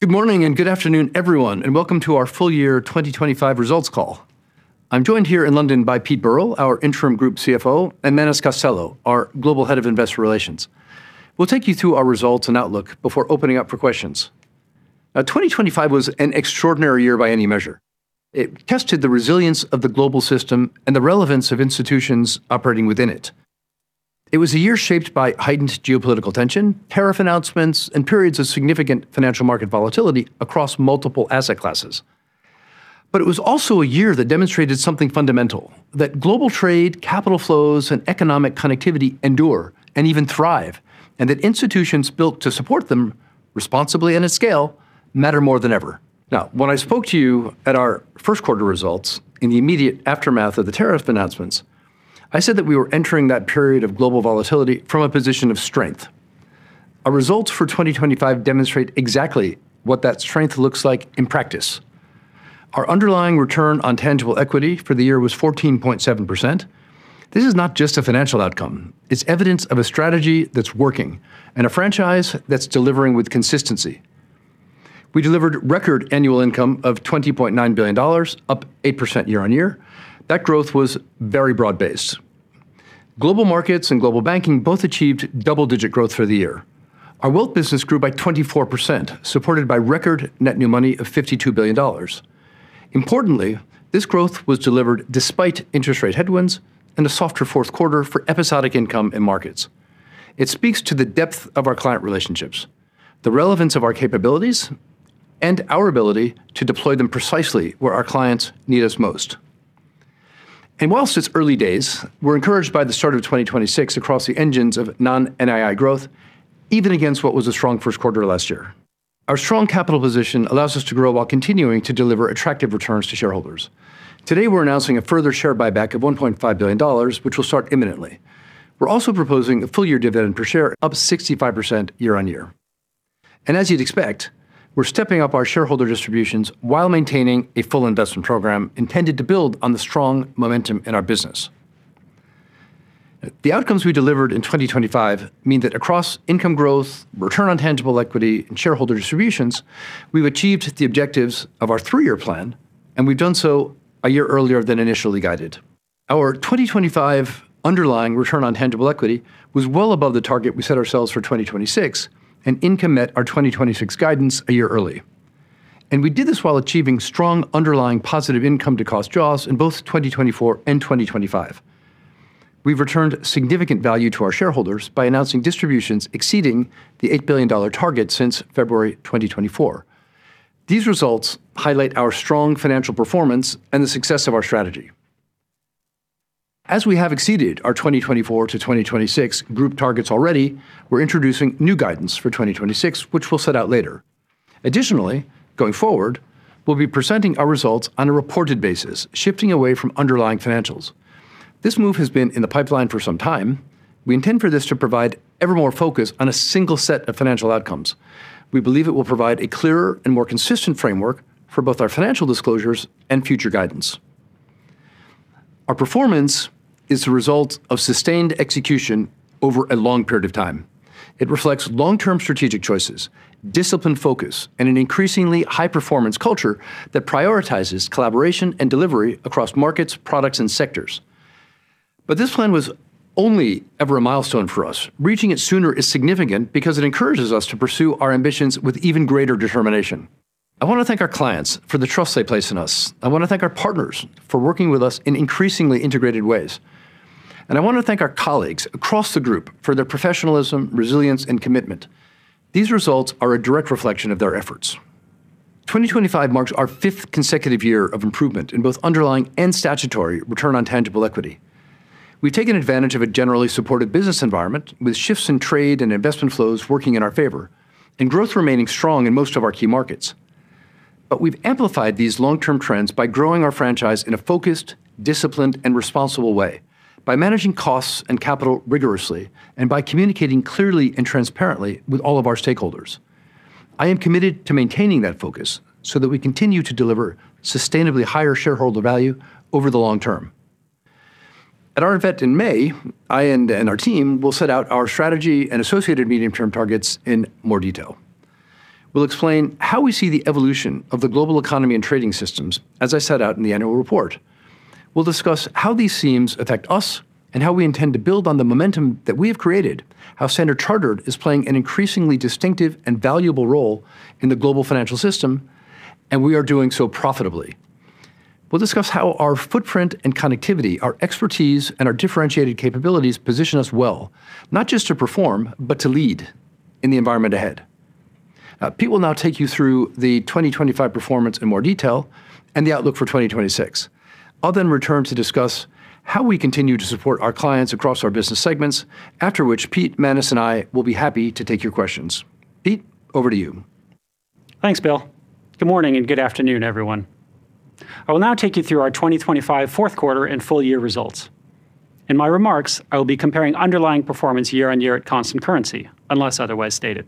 Good morning, and good afternoon, everyone, and welcome to our full year 2025 results call. I'm joined here in London by Pete Burrill, our interim group CFO, and Manus Costello, our global head of Investor Relations. We'll take you through our results and outlook before opening up for questions. 2025 was an extraordinary year by any measure. It tested the resilience of the global system and the relevance of institutions operating within it. It was a year shaped by heightened geopolitical tension, tariff announcements, and periods of significant financial market volatility across multiple asset classes. It was also a year that demonstrated something fundamental, that global trade, capital flows, and economic connectivity endure and even thrive, and that institutions built to support them responsibly and at scale, matter more than ever. Now, when I spoke to you at our Q1 results, in the immediate aftermath of the tariff announcements, I said that we were entering that period of global volatility from a position of strength. Our results for 2025 demonstrate exactly what that strength looks like in practice. Our underlying Return on Tangible Equity for the year was 14.7%. This is not just a financial outcome; it's evidence of a strategy that's working and a franchise that's delivering with consistency. We delivered record annual income of $20.9 billion, up 8% year-on-year. That growth was very broad-based. Global Markets and Global Banking both achieved double-digit growth for the year. Our wealth business grew by 24%, supported by record net new money of $52 billion. Importantly, this growth was delivered despite interest rate headwinds and a softer Q4 for episodic income in markets. It speaks to the depth of our client relationships, the relevance of our capabilities, and our ability to deploy them precisely where our clients need us most. Whilst it's early days, we're encouraged by the start of 2026 across the engines of non-NII growth, even against what was a strong Q1 last year. Our strong capital position allows us to grow while continuing to deliver attractive returns to shareholders. Today, we're announcing a further share buyback of $1.5 billion, which will start imminently. We're also proposing a full-year dividend per share, up 65% year-on-year. As you'd expect, we're stepping up our shareholder distributions while maintaining a full investment program intended to build on the strong momentum in our business. The outcomes we delivered in 2025 mean that across income growth, Return on Tangible Equity, and shareholder distributions, we've achieved the objectives of our 3-year plan, and we've done so a year earlier than initially guided. Our 2025 underlying Return on Tangible Equity was well above the target we set ourselves for 2026 and income met our 2026 guidance a year early. We did this while achieving strong underlying positive income to cost jaws in both 2024 and 2025. We've returned significant value to our shareholders by announcing distributions exceeding the $8 billion target since February 2024. These results highlight our strong financial performance and the success of our strategy. We have exceeded our 2024-2026 group targets already. We're introducing new guidance for 2026, which we'll set out later. Going forward, we'll be presenting our results on a reported basis, shifting away from underlying financials. This move has been in the pipeline for some time. We intend for this to provide ever more focus on a single set of financial outcomes. We believe it will provide a clearer and more consistent framework for both our financial disclosures and future guidance. Our performance is the result of sustained execution over a long period of time. It reflects long-term strategic choices, disciplined focus, and an increasingly high-performance culture that prioritizes collaboration and delivery across markets, products, and sectors. This plan was only ever a milestone for us. Reaching it sooner is significant because it encourages us to pursue our ambitions with even greater determination. I want to thank our clients for the trust they place in us. I want to thank our partners for working with us in increasingly integrated ways. I want to thank our colleagues across the group for their professionalism, resilience, and commitment. These results are a direct reflection of their efforts. 2025 marks our 5th consecutive year of improvement in both underlying and statutory return on tangible equity. We've taken advantage of a generally supported business environment, with shifts in trade and investment flows working in our favor and growth remaining strong in most of our key markets. We've amplified these long-term trends by growing our franchise in a focused, disciplined, and responsible way, by managing costs and capital rigorously, and by communicating clearly and transparently with all of our stakeholders. I am committed to maintaining that focus so that we continue to deliver sustainably higher shareholder value over the long term. At our event in May, I and our team will set out our strategy and associated medium-term targets in more detail. We'll explain how we see the evolution of the global economy and trading systems, as I set out in the annual report. We'll discuss how these themes affect us and how we intend to build on the momentum that we have created, how Standard Chartered is playing an increasingly distinctive and valuable role in the global financial system, and we are doing so profitably. We'll discuss how our footprint and connectivity, our expertise, and our differentiated capabilities position us well, not just to perform, but to lead in the environment ahead. Pete will now take you through the 2025 performance in more detail and the outlook for 2026. I'll then return to discuss how we continue to support our clients across our business segments, after which Pete, Manus, and I will be happy to take your questions. Pete, over to you. Thanks, Bill. Good morning, and good afternoon, everyone. I will now take you through our 2025 Q4 and full-year results. In my remarks, I will be comparing underlying performance year-on-year at constant currency, unless otherwise stated.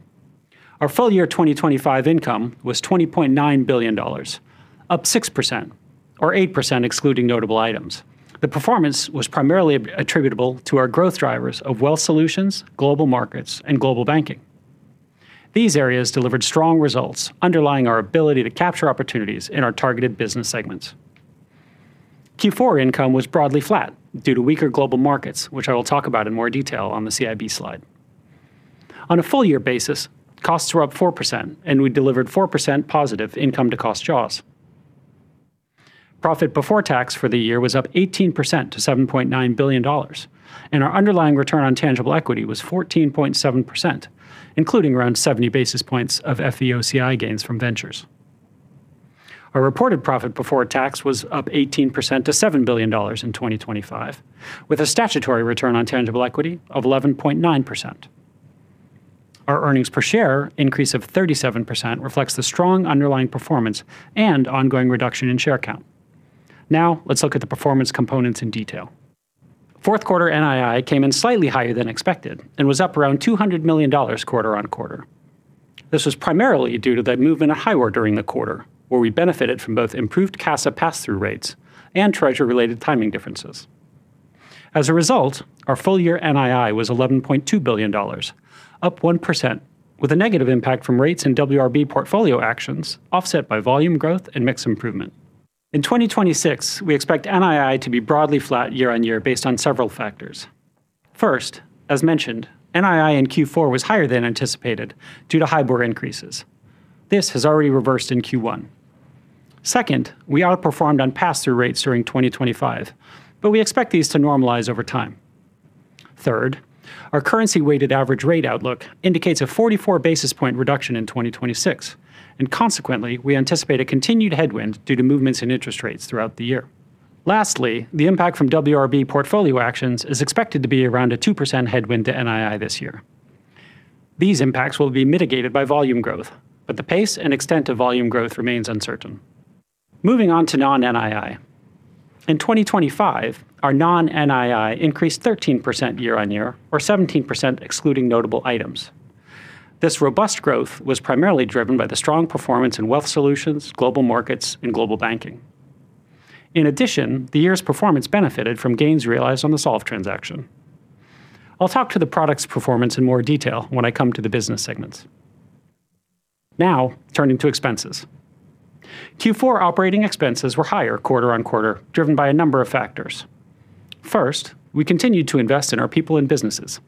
Our full year 2025 income was $20.9 billion, up 6%, or 8%, excluding notable items. The performance was primarily attributable to our growth drivers of Wealth Solutions, Global Markets, and Global Banking. These areas delivered strong results, underlying our ability to capture opportunities in our targeted business segments. Q4 income was broadly flat due to weaker Global Markets, which I will talk about in more detail on the CIB slide. On a full-year basis, costs were up 4%, and we delivered 4% positive income-to-cost jaws. Profit before tax for the year was up 18% to $7.9 billion. Our underlying return on tangible equity was 14.7%, including around 70 basis points of FVOCI gains from ventures. Our reported profit before tax was up 18% to $7 billion in 2025, with a statutory return on tangible equity of 11.9%. Our earnings per share increase of 37% reflects the strong underlying performance and ongoing reduction in share count. Let's look at the performance components in detail. Q4 NII came in slightly higher than expected and was up around $200 million quarter-on-quarter. This was primarily due to that move in HIBOR during the quarter, where we benefited from both improved CASA pass-through rates and treasury-related timing differences. Our full-year NII was $11.2 billion, up 1%, with a negative impact from rates and WRB portfolio actions, offset by volume growth and mix improvement. In 2026, we expect NII to be broadly flat year-on-year based on several factors. First, as mentioned, NII in Q4 was higher than anticipated due to HIBOR increases. This has already reversed in Q1. We outperformed on pass-through rates during 2025. We expect these to normalize over time. Our currency-weighted average rate outlook indicates a 44 basis point reduction in 2026, consequently, we anticipate a continued headwind due to movements in interest rates throughout the year. The impac t from WRB portfolio actions is expected to be around a 2% headwind to NII this year. These impacts will be mitigated by volume growth. The pace and extent of volume growth remains uncertain. Moving on to non-NII. In 2025, our non-NII increased 13% year-over-year, or 17%, excluding notable items. This robust growth was primarily driven by the strong performance in Wealth Solutions, Global Markets, and Global Banking. In addition, the year's performance benefited from gains realized on the Solve transaction. I'll talk to the product's performance in more detail when I come to the business segments. Turning to expenses. Q4 operating expenses were higher quarter-over-quarter, driven by a number of factors. First, we continued to invest in our people and businesses.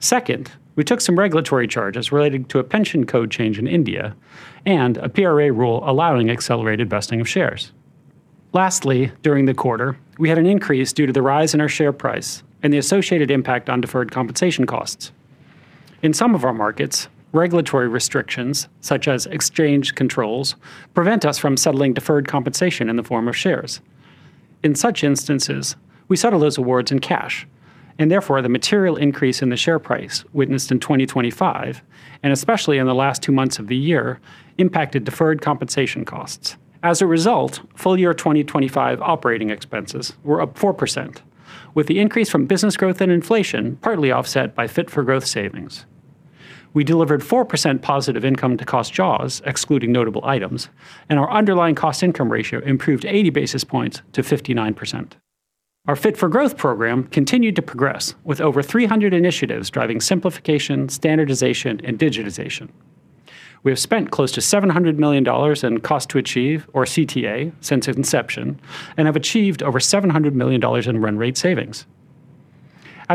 Second, we took some regulatory charges related to a pension code change in India and a PRA rule allowing accelerated vesting of shares. Lastly, during the quarter, we had an increase due to the rise in our share price and the associated impact on deferred compensation costs. In some of our markets, regulatory restrictions, such as exchange controls, prevent us from settling deferred compensation in the form of shares. In such instances, we settle those awards in cash, and therefore, the material increase in the share price witnessed in 2025, and especially in the last 2 months of the year, impacted deferred compensation costs. As a result, full year 2025 operating expenses were up 4%, with the increase from business growth and inflation, partly offset by Fit for Growth savings. We delivered 4% positive income to cost jaws, excluding notable items, and our underlying cost-income ratio improved 80 basis points to 59%. Our Fit for Growth program continued to progress, with over 300 initiatives driving simplification, standardization, and digitization. We have spent close to $700 million in cost to achieve, or CTA, since its inception, and have achieved over $700 million in run rate savings.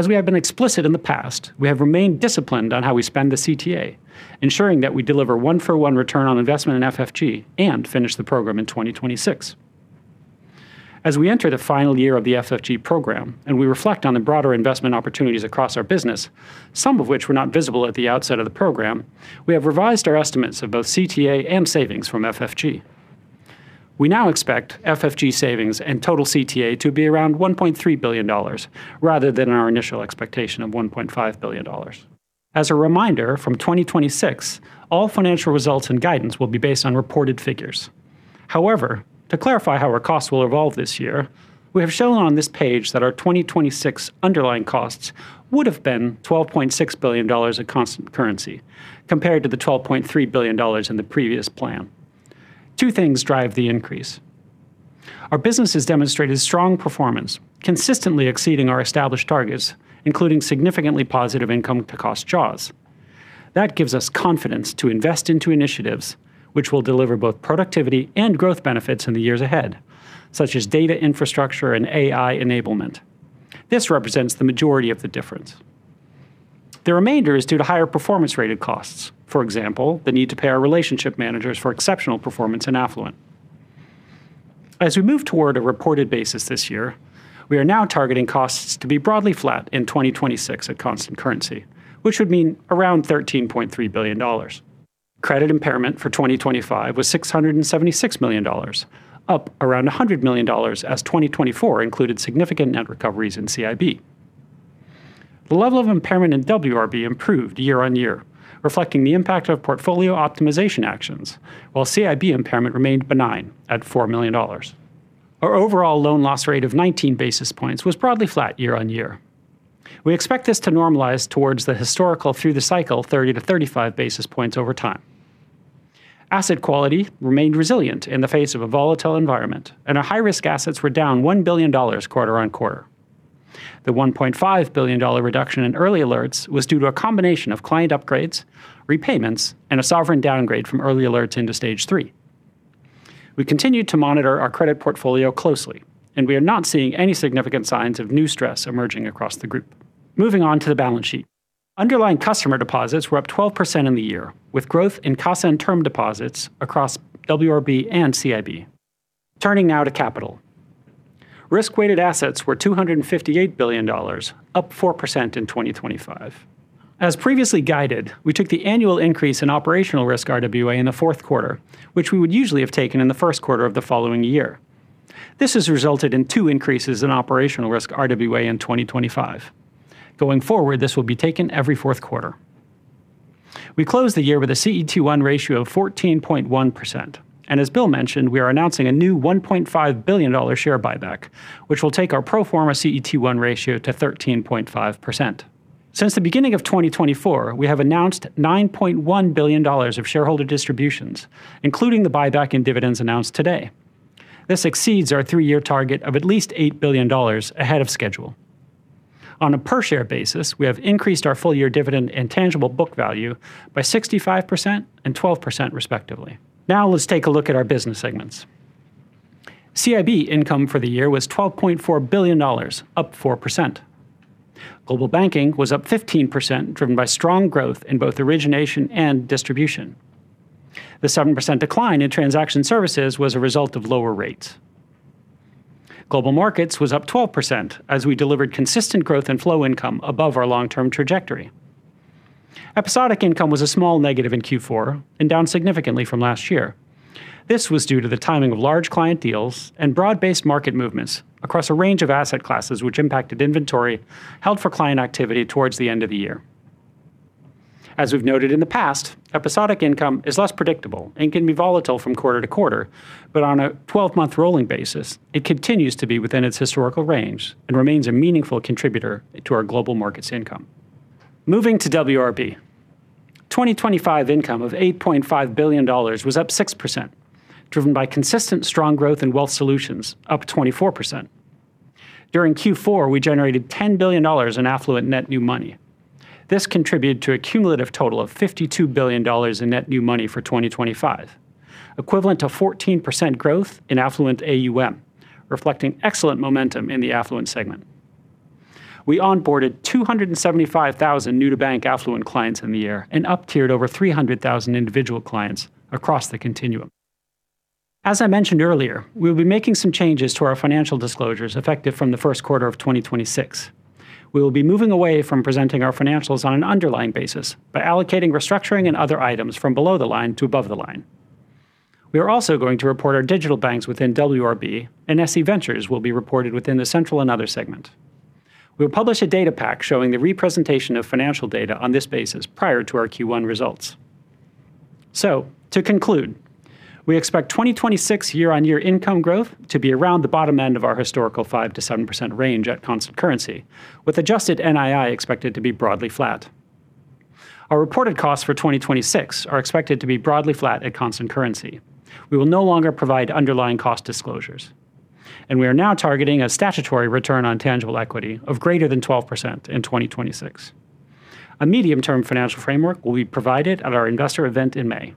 We have been explicit in the past, we have remained disciplined on how we spend the CTA, ensuring that we deliver one-for-one return on investment in FFG and finish the program in 2026. We enter the final year of the FFG program, and we reflect on the broader investment opportunities across our business, some of which were not visible at the outset of the program, we have revised our estimates of both CTA and savings from FFG. We now expect FFG savings and total CTA to be around $1.3 billion, rather than our initial expectation of $1.5 billion. As a reminder, from 2026, all financial results and guidance will be based on reported figures. To clarify how our costs will evolve this year, we have shown on this page that our 2026 underlying costs would have been $12.6 billion at constant currency, compared to the $12.3 billion in the previous plan. Two things drive the increase. Our business has demonstrated strong performance, consistently exceeding our established targets, including significantly positive income to cost jaws. That gives us confidence to invest into initiatives which will deliver both productivity and growth benefits in the years ahead, such as data infrastructure and AI enablement. This represents the majority of the difference. The remainder is due to higher performance-rated costs, for example, the need to pay our relationship managers for exceptional performance in affluent. As we move toward a reported basis this year, we are now targeting costs to be broadly flat in 2026 at constant currency, which would mean around $13.3 billion. Credit impairment for 2025 was $676 million, up around $100 million, as 2024 included significant net recoveries in CIB. The level of impairment in WRB improved year-on-year, reflecting the impact of portfolio optimization actions, while CIB impairment remained benign at $4 million. Our overall loan loss rate of 19 basis points was broadly flat year-on-year. We expect this to normalize towards the historical through the cycle, 30-35 basis points over time. Asset quality remained resilient in the face of a volatile environment, and our high-risk assets were down $1 billion quarter-on-quarter. The $1.5 billion reduction in early alerts was due to a combination of client upgrades, repayments, and a sovereign downgrade from early alerts into stage three. We continued to monitor our credit portfolio closely, and we are not seeing any significant signs of new stress emerging across the group. Moving on to the balance sheet. Underlying customer deposits were up 12% in the year, with growth in CASA and term deposits across WRB and CIB. Turning now to capital. Risk-weighted assets were $258 billion, up 4% in 2025. As previously guided, we took the annual increase in operational risk RWA in the Q4, which we would usually have taken in the Q1 of the following year. This has resulted in 2 increases in operational risk RWA in 2025. Going forward, this will be taken every Q4. We closed the year with a CET1 ratio of 14.1%, and as Bill mentioned, we are announcing a new $1.5 billion share buyback, which will take our pro forma CET1 ratio to 13.5%. Since the beginning of 2024, we have announced $9.1 billion of shareholder distributions, including the buyback and dividends announced today. This exceeds our three-year target of at least $8 billion ahead of schedule. On a per-share basis, we have increased our full-year dividend and tangible book value by 65% and 12%, respectively. Let's take a look at our business segments. CIB income for the year was $12.4 billion, up 4%. Global Banking was up 15%, driven by strong growth in both origination and distribution. The 7% decline in transaction services was a result of lower rates. Global Markets was up 12% as we delivered consistent growth in flow income above our long-term trajectory. Episodic income was a small negative in Q4 and down significantly from last year. This was due to the timing of large client deals and broad-based market movements across a range of asset classes, which impacted inventory held for client activity towards the end of the year. As we've noted in the past, episodic income is less predictable and can be volatile from quarter-to-quarter, but on a 12-month rolling basis, it continues to be within its historical range and remains a meaningful contributor to our Global Markets income. Moving to WRB. 2025 income of $8.5 billion was up 6%, driven by consistent strong growth in Wealth Solutions, up 24%. During Q4, we generated $10 billion in affluent net new money. This contributed to a cumulative total of $52 billion in net new money for 2025, equivalent to 14% growth in affluent AUM, reflecting excellent momentum in the affluent segment. We onboarded 275,000 new-to-bank affluent clients in the year and up-tiered over 300,000 individual clients across the continuum. I mentioned earlier, we'll be making some changes to our financial disclosures, effective from the Q1 of 2026. We will be moving away from presenting our financials on an underlying basis by allocating, restructuring, and other items from below the line to above the line. We are also going to report our digital banks within WRB, and SC Ventures will be reported within the Central and Other segment. We'll publish a data pack showing the representation of financial data on this basis prior to our Q1 results. To conclude, we expect 2026 year-on-year income growth to be around the bottom end of our historical 5 to 7% range at constant currency, with adjusted NII expected to be broadly flat. Our reported costs for 2026 are expected to be broadly flat at constant currency. We will no longer provide underlying cost disclosures, and we are now targeting a statutory return on tangible equity of greater than 12% in 2026. A medium-term financial framework will be provided at our investor event in May.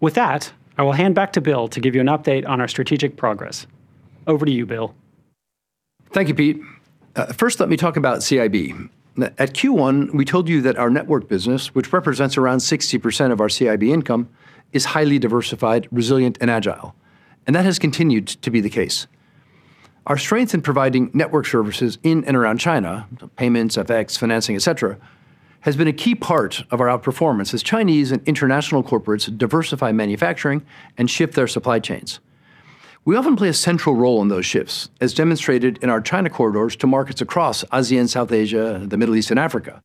With that, I will hand back to Bill to give you an update on our strategic progress. Over to you, Bill. Thank you, Pete. First, let me talk about CIB. At Q1, we told you that our network business, which represents around 60% of our CIB income, is highly diversified, resilient, and agile, and that has continued to be the case. Our strength in providing network services in and around China, payments, FX, financing, et cetera, has been a key part of our outperformance as Chinese and international corporates diversify manufacturing and shift their supply chains. We often play a central role in those shifts, as demonstrated in our China corridors to markets across ASEAN, South Asia, the Middle East, and Africa.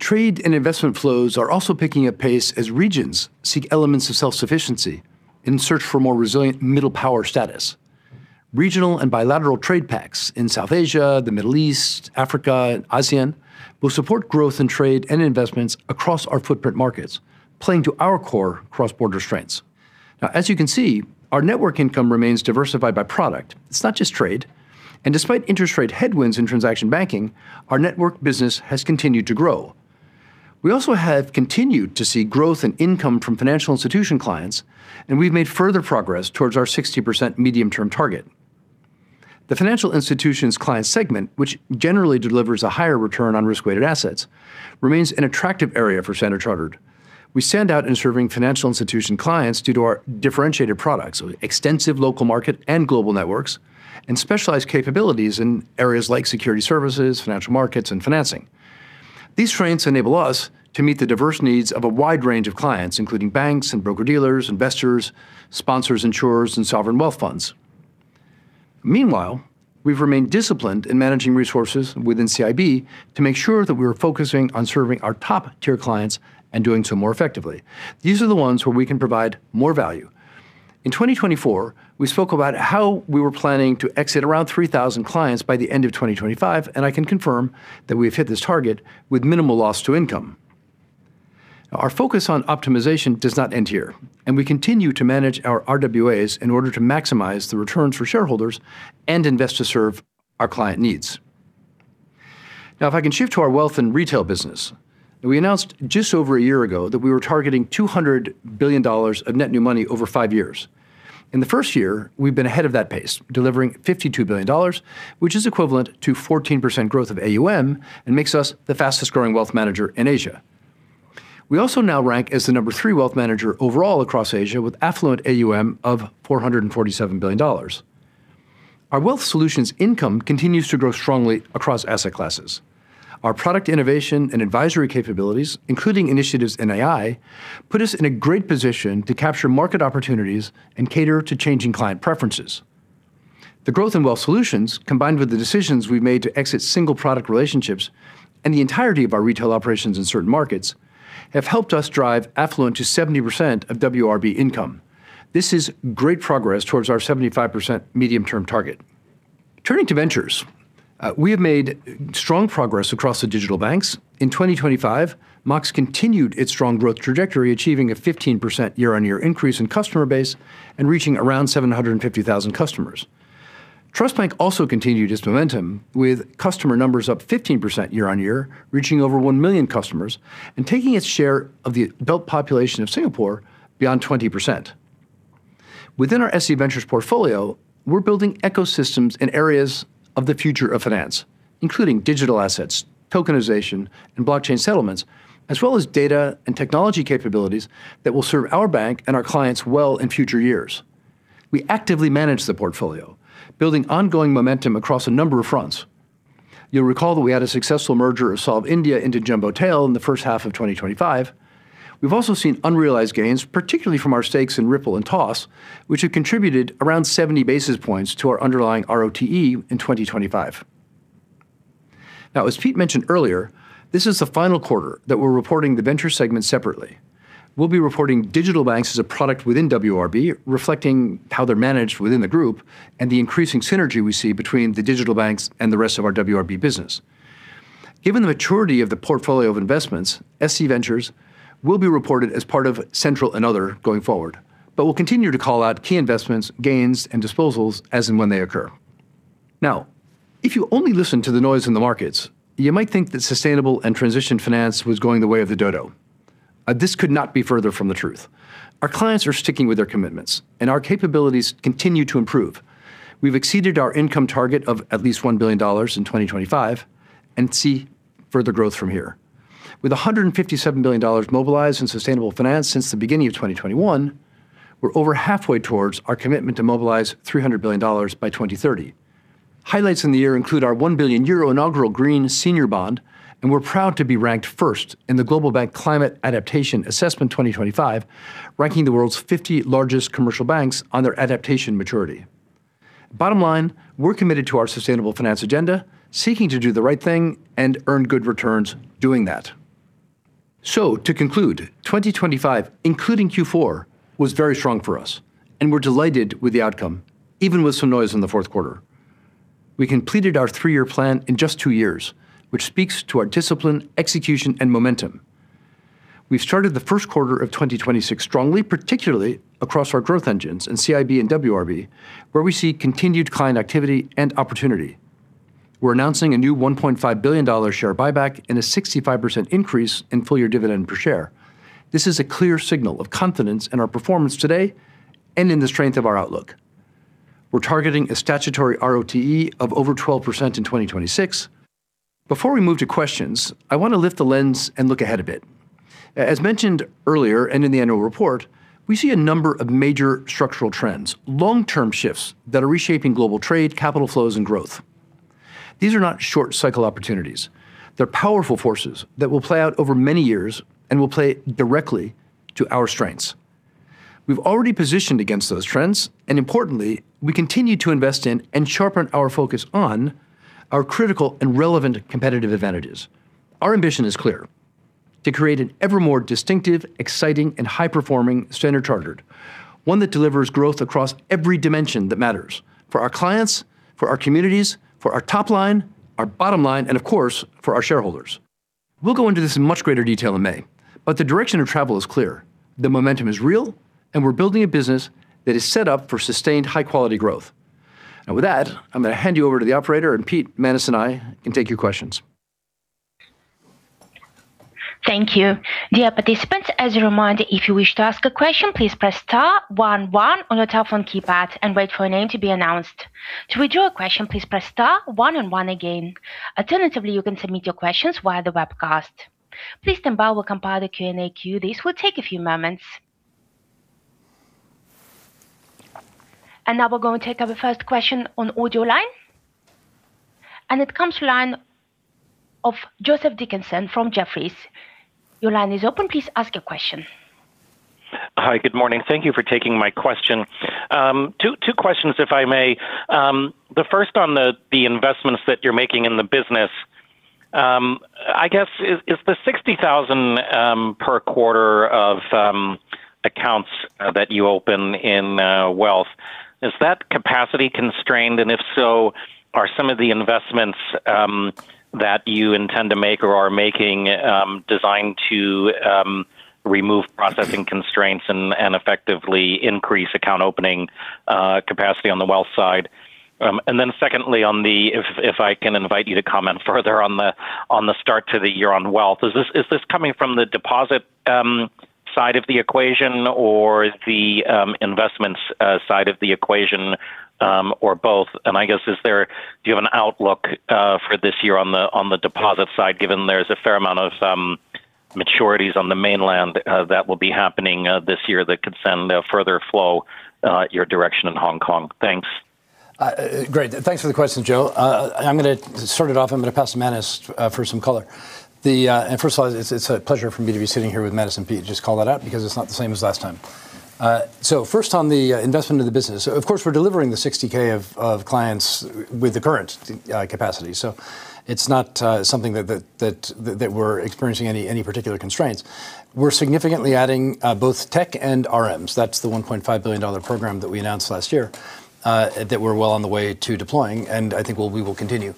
Trade and investment flows are also picking up pace as regions seek elements of self-sufficiency in search for more resilient middle power status. Regional and bilateral trade pacts in South Asia, the Middle East, Africa, and ASEAN will support growth in trade and investments across our footprint markets, playing to our core cross-border strengths. As you can see, our network income remains diversified by product. It's not just trade. Despite interest rate headwinds in transaction banking, our network business has continued to grow. We also have continued to see growth in income from financial institution clients. We've made further progress towards our 60% medium-term target. The financial institutions client segment, which generally delivers a higher return on risk-weighted assets, remains an attractive area for Standard Chartered. We stand out in serving financial institution clients due to our differentiated products, extensive local market and global networks, and specialized capabilities in areas like security services, financial markets, and financing. These strengths enable us to meet the diverse needs of a wide range of clients, including banks and broker-dealers, investors, sponsors, insurers, and sovereign wealth funds. We've remained disciplined in managing resources within CIB to make sure that we're focusing on serving our top-tier clients and doing so more effectively. These are the ones where we can provide more value. In 2024, we spoke about how we were planning to exit around 3,000 clients by the end of 2025, and I can confirm that we've hit this target with minimal loss to income. Our focus on optimization does not end here, and we continue to manage our RWAs in order to maximize the returns for shareholders and invest to serve our client needs. If I can shift to our Wealth & Retail Banking business, we announced just over a year ago that we were targeting $200 billion of net new money over 5 years. In the 1st year, we've been ahead of that pace, delivering $52 billion, which is equivalent to 14% growth of AUM and makes us the fastest growing wealth manager in Asia. We also now rank as the number 3 wealth manager overall across Asia, with affluent AUM of $447 billion. Our Wealth Solutions income continues to grow strongly across asset classes. Our product innovation and advisory capabilities, including initiatives in AI, put us in a great position to capture market opportunities and cater to changing client preferences. The growth in Wealth Solutions, combined with the decisions we've made to exit single product relationships and the entirety of our retail operations in certain markets, have helped us drive affluent to 70% of WRB income. This is great progress towards our 75% medium-term target. Turning to ventures, we have made strong progress across the digital banks. In 2025, Mox continued its strong growth trajectory, achieving a 15% year-on-year increase in customer base and reaching around 750,000 customers. Trust Bank also continued its momentum, with customer numbers up 15% year-on-year, reaching over 1 million customers and taking its share of the adult population of Singapore beyond 20%. Within our SC Ventures portfolio, we're building ecosystems in areas of the future of finance, including digital assets, tokenization, and blockchain settlements, as well as data and technology capabilities that will serve our bank and our clients well in future years. We actively manage the portfolio, building ongoing momentum across a number of fronts. You'll recall that we had a successful merger of Solv India into Jumbotail in the first half of 2025. We've also seen unrealized gains, particularly from our stakes in Ripple and Toss, which have contributed around 70 basis points to our underlying ROTE in 2025. As Pete mentioned earlier, this is the final quarter that we're reporting the venture segment separately. We'll be reporting digital banks as a product within WRB, reflecting how they're managed within the group and the increasing synergy we see between the digital banks and the rest of our WRB business. Given the maturity of the portfolio of investments, SC Ventures will be reported as part of Central and Other going forward, but we'll continue to call out key investments, gains, and disposals as and when they occur. If you only listen to the noise in the markets, you might think that sustainable and transition finance was going the way of the dodo. This could not be further from the truth. Our clients are sticking with their commitments, and our capabilities continue to improve. We've exceeded our income target of at least $1 billion in 2025 and see further growth from here. With $157 billion mobilized in sustainable finance since the beginning of 2021, we're over halfway towards our commitment to mobilize $300 billion by 2030. Highlights in the year include our 1 billion euro inaugural green senior bond, and we're proud to be ranked first in the Global Bank Climate Adaptation Assessment 2025, ranking the world's 50 largest commercial banks on their adaptation maturity. Bottom line, we're committed to our sustainable finance agenda, seeking to do the right thing and earn good returns doing that. To conclude, 2025, including Q4, was very strong for us, and we're delighted with the outcome, even with some noise in the Q4. We completed our 3-year plan in just 2 years, which speaks to our discipline, execution, and momentum. We've started the Q1 of 2026 strongly, particularly across our growth engines in CIB and WRB, where we see continued client activity and opportunity. We're announcing a new $1.5 billion share buyback and a 65% increase in full-year dividend per share. This is a clear signal of confidence in our performance today and in the strength of our outlook. We're targeting a statutory RoTE of over 12% in 2026. Before we move to questions, I want to lift the lens and look ahead a bit. As mentioned earlier and in the annual report, we see a number of major structural trends, long-term shifts that are reshaping global trade, capital flows, and growth. These are not short-cycle opportunities. They're powerful forces that will play out over many years and will play directly to our strengths. We've already positioned against those trends, importantly, we continue to invest in and sharpen our focus on our critical and relevant competitive advantages. Our ambition is clear: to create an ever more distinctive, exciting, and high-performing Standard Chartered, one that delivers growth across every dimension that matters for our clients, for our communities, for our top line, our bottom line, and of course, for our shareholders. We'll go into this in much greater detail in May, the direction of travel is clear. The momentum is real, we're building a business that is set up for sustained, high-quality growth. With that, I'm going to hand you over to the operator, and Pete, Manus, and I can take your questions. Thank you. Dear participants, as a reminder, if you wish to ask a question, please press star one one on your telephone keypad and wait for your name to be announced. To withdraw a question, please press star one and one again. Alternatively, you can submit your questions via the webcast. Please stand by while we compile the Q&A queue. This will take a few moments. Now we're going to take our 1st question on the audio line, and it comes to line of Joseph Dickerson from Jefferies. Your line is open. Please ask a question. Hi, good morning. Thank you for taking my question. Two questions, if I may. The first on the investments that you're making in the business. I guess is the 60,000 per quarter of accounts that you open in wealth, is that capacity constrained? If so, are some of the investments that you intend to make or are making, designed to remove processing constraints and effectively increase account opening capacity on the wealth side? Secondly, if I can invite you to comment further on the start to the year on wealth, is this coming from the deposit side of the equation, or is the investments side of the equation, or both? I guess, do you have an outlook for this year on the deposit side, given there's a fair amount of maturities on the mainland that will be happening this year that could send a further flow your direction in Hong Kong? Thanks. Great. Thanks for the question, Joe. I'm going to start it off, and I'm going to pass to Manus for some color. First of all, it's a pleasure for me to be sitting here with Manus and Pete, just call that out, because it's not the same as last time. First on the investment of the business. Of course, we're delivering the 60k of clients with the current capacity, so it's not something that we're experiencing any particular constraints. We're significantly adding both tech and RMs. That's the $1.5 billion program that we announced last year, that we're well on the way to deploying, and I think we will continue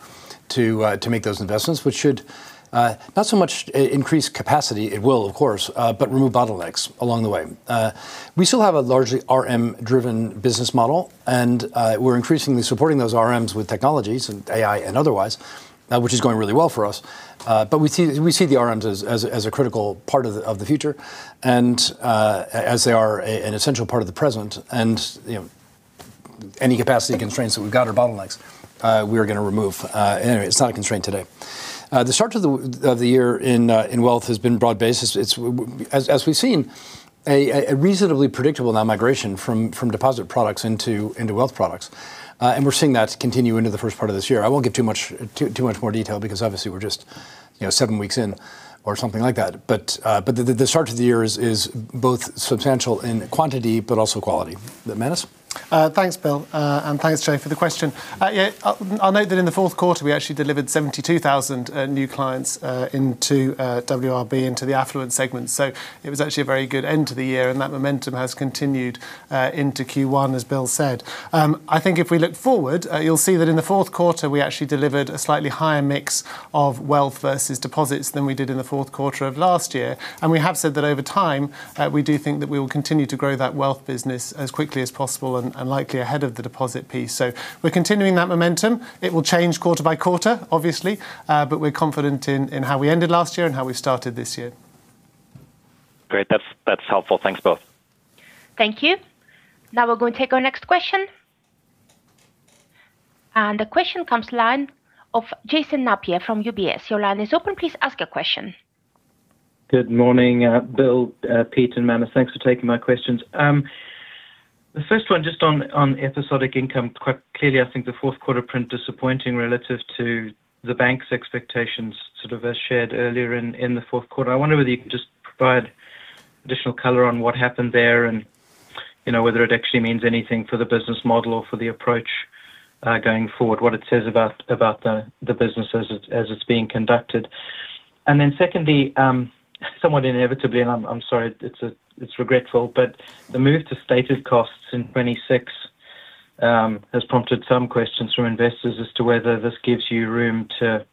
to make those investments, which should, not so much increase capacity, it will, of course, but remove bottlenecks along the way. We still have a largely RM-driven business model, and we're increasingly supporting those RMs with technologies, and AI and otherwise, which is going really well for us. We see the RMs as a critical part of the future, and as they are an essential part of the present. You know, any capacity constraints that we've got or bottlenecks, we're going to remove. Anyway, it's not a constraint today. The start of the year in wealth has been broad-based. It's as we've seen, a reasonably predictable now migration from deposit products into wealth products. We're seeing that continue into the first part of this year. I won't give too much more detail because obviously we're just, you know, seven weeks in or something like that. The start of the year is both substantial in quantity, but also quality. Manus? Thanks, Bill. Thanks, Joe, for the question. I'll note that in the Q4, we actually delivered 72,000 new clients into WRB, into the affluent segment. It was actually a very good end to the year, and that momentum has continued into Q1, as Bill said. I think if we look forward, you'll see that in the Q4, we actually delivered a slightly higher mix of wealth versus deposits than we did in the Q4 of last year. We have said that over time, we do think that we will continue to grow that wealth business as quickly as possible and likely ahead of the deposit piece. We're continuing that momentum. It will change quarter by quarter, obviously, but we're confident in how we ended last year and how we started this year. Great. That's helpful. Thanks, both. Thank you. Now we're going to take our next question. The question comes line of Jason Napier from UBS. Your line is open. Please ask your question. Good morning, Bill, Pete, and Manus. Thanks for taking my questions. The first one, just on episodic income. Quite clearly, I think the Q4 print disappointing relative to the bank's expectations, sort of as shared earlier in the Q4. I wonder whether you can just provide additional color on what happened there and, you know, whether it actually means anything for the business model or for the approach, going forward, what it says about the business as it's being conducted. Secondly, somewhat inevitably, and I'm sorry, it's regretful, but the move to stated costs in 2026 has prompted some questions from investors as to whether this gives you room to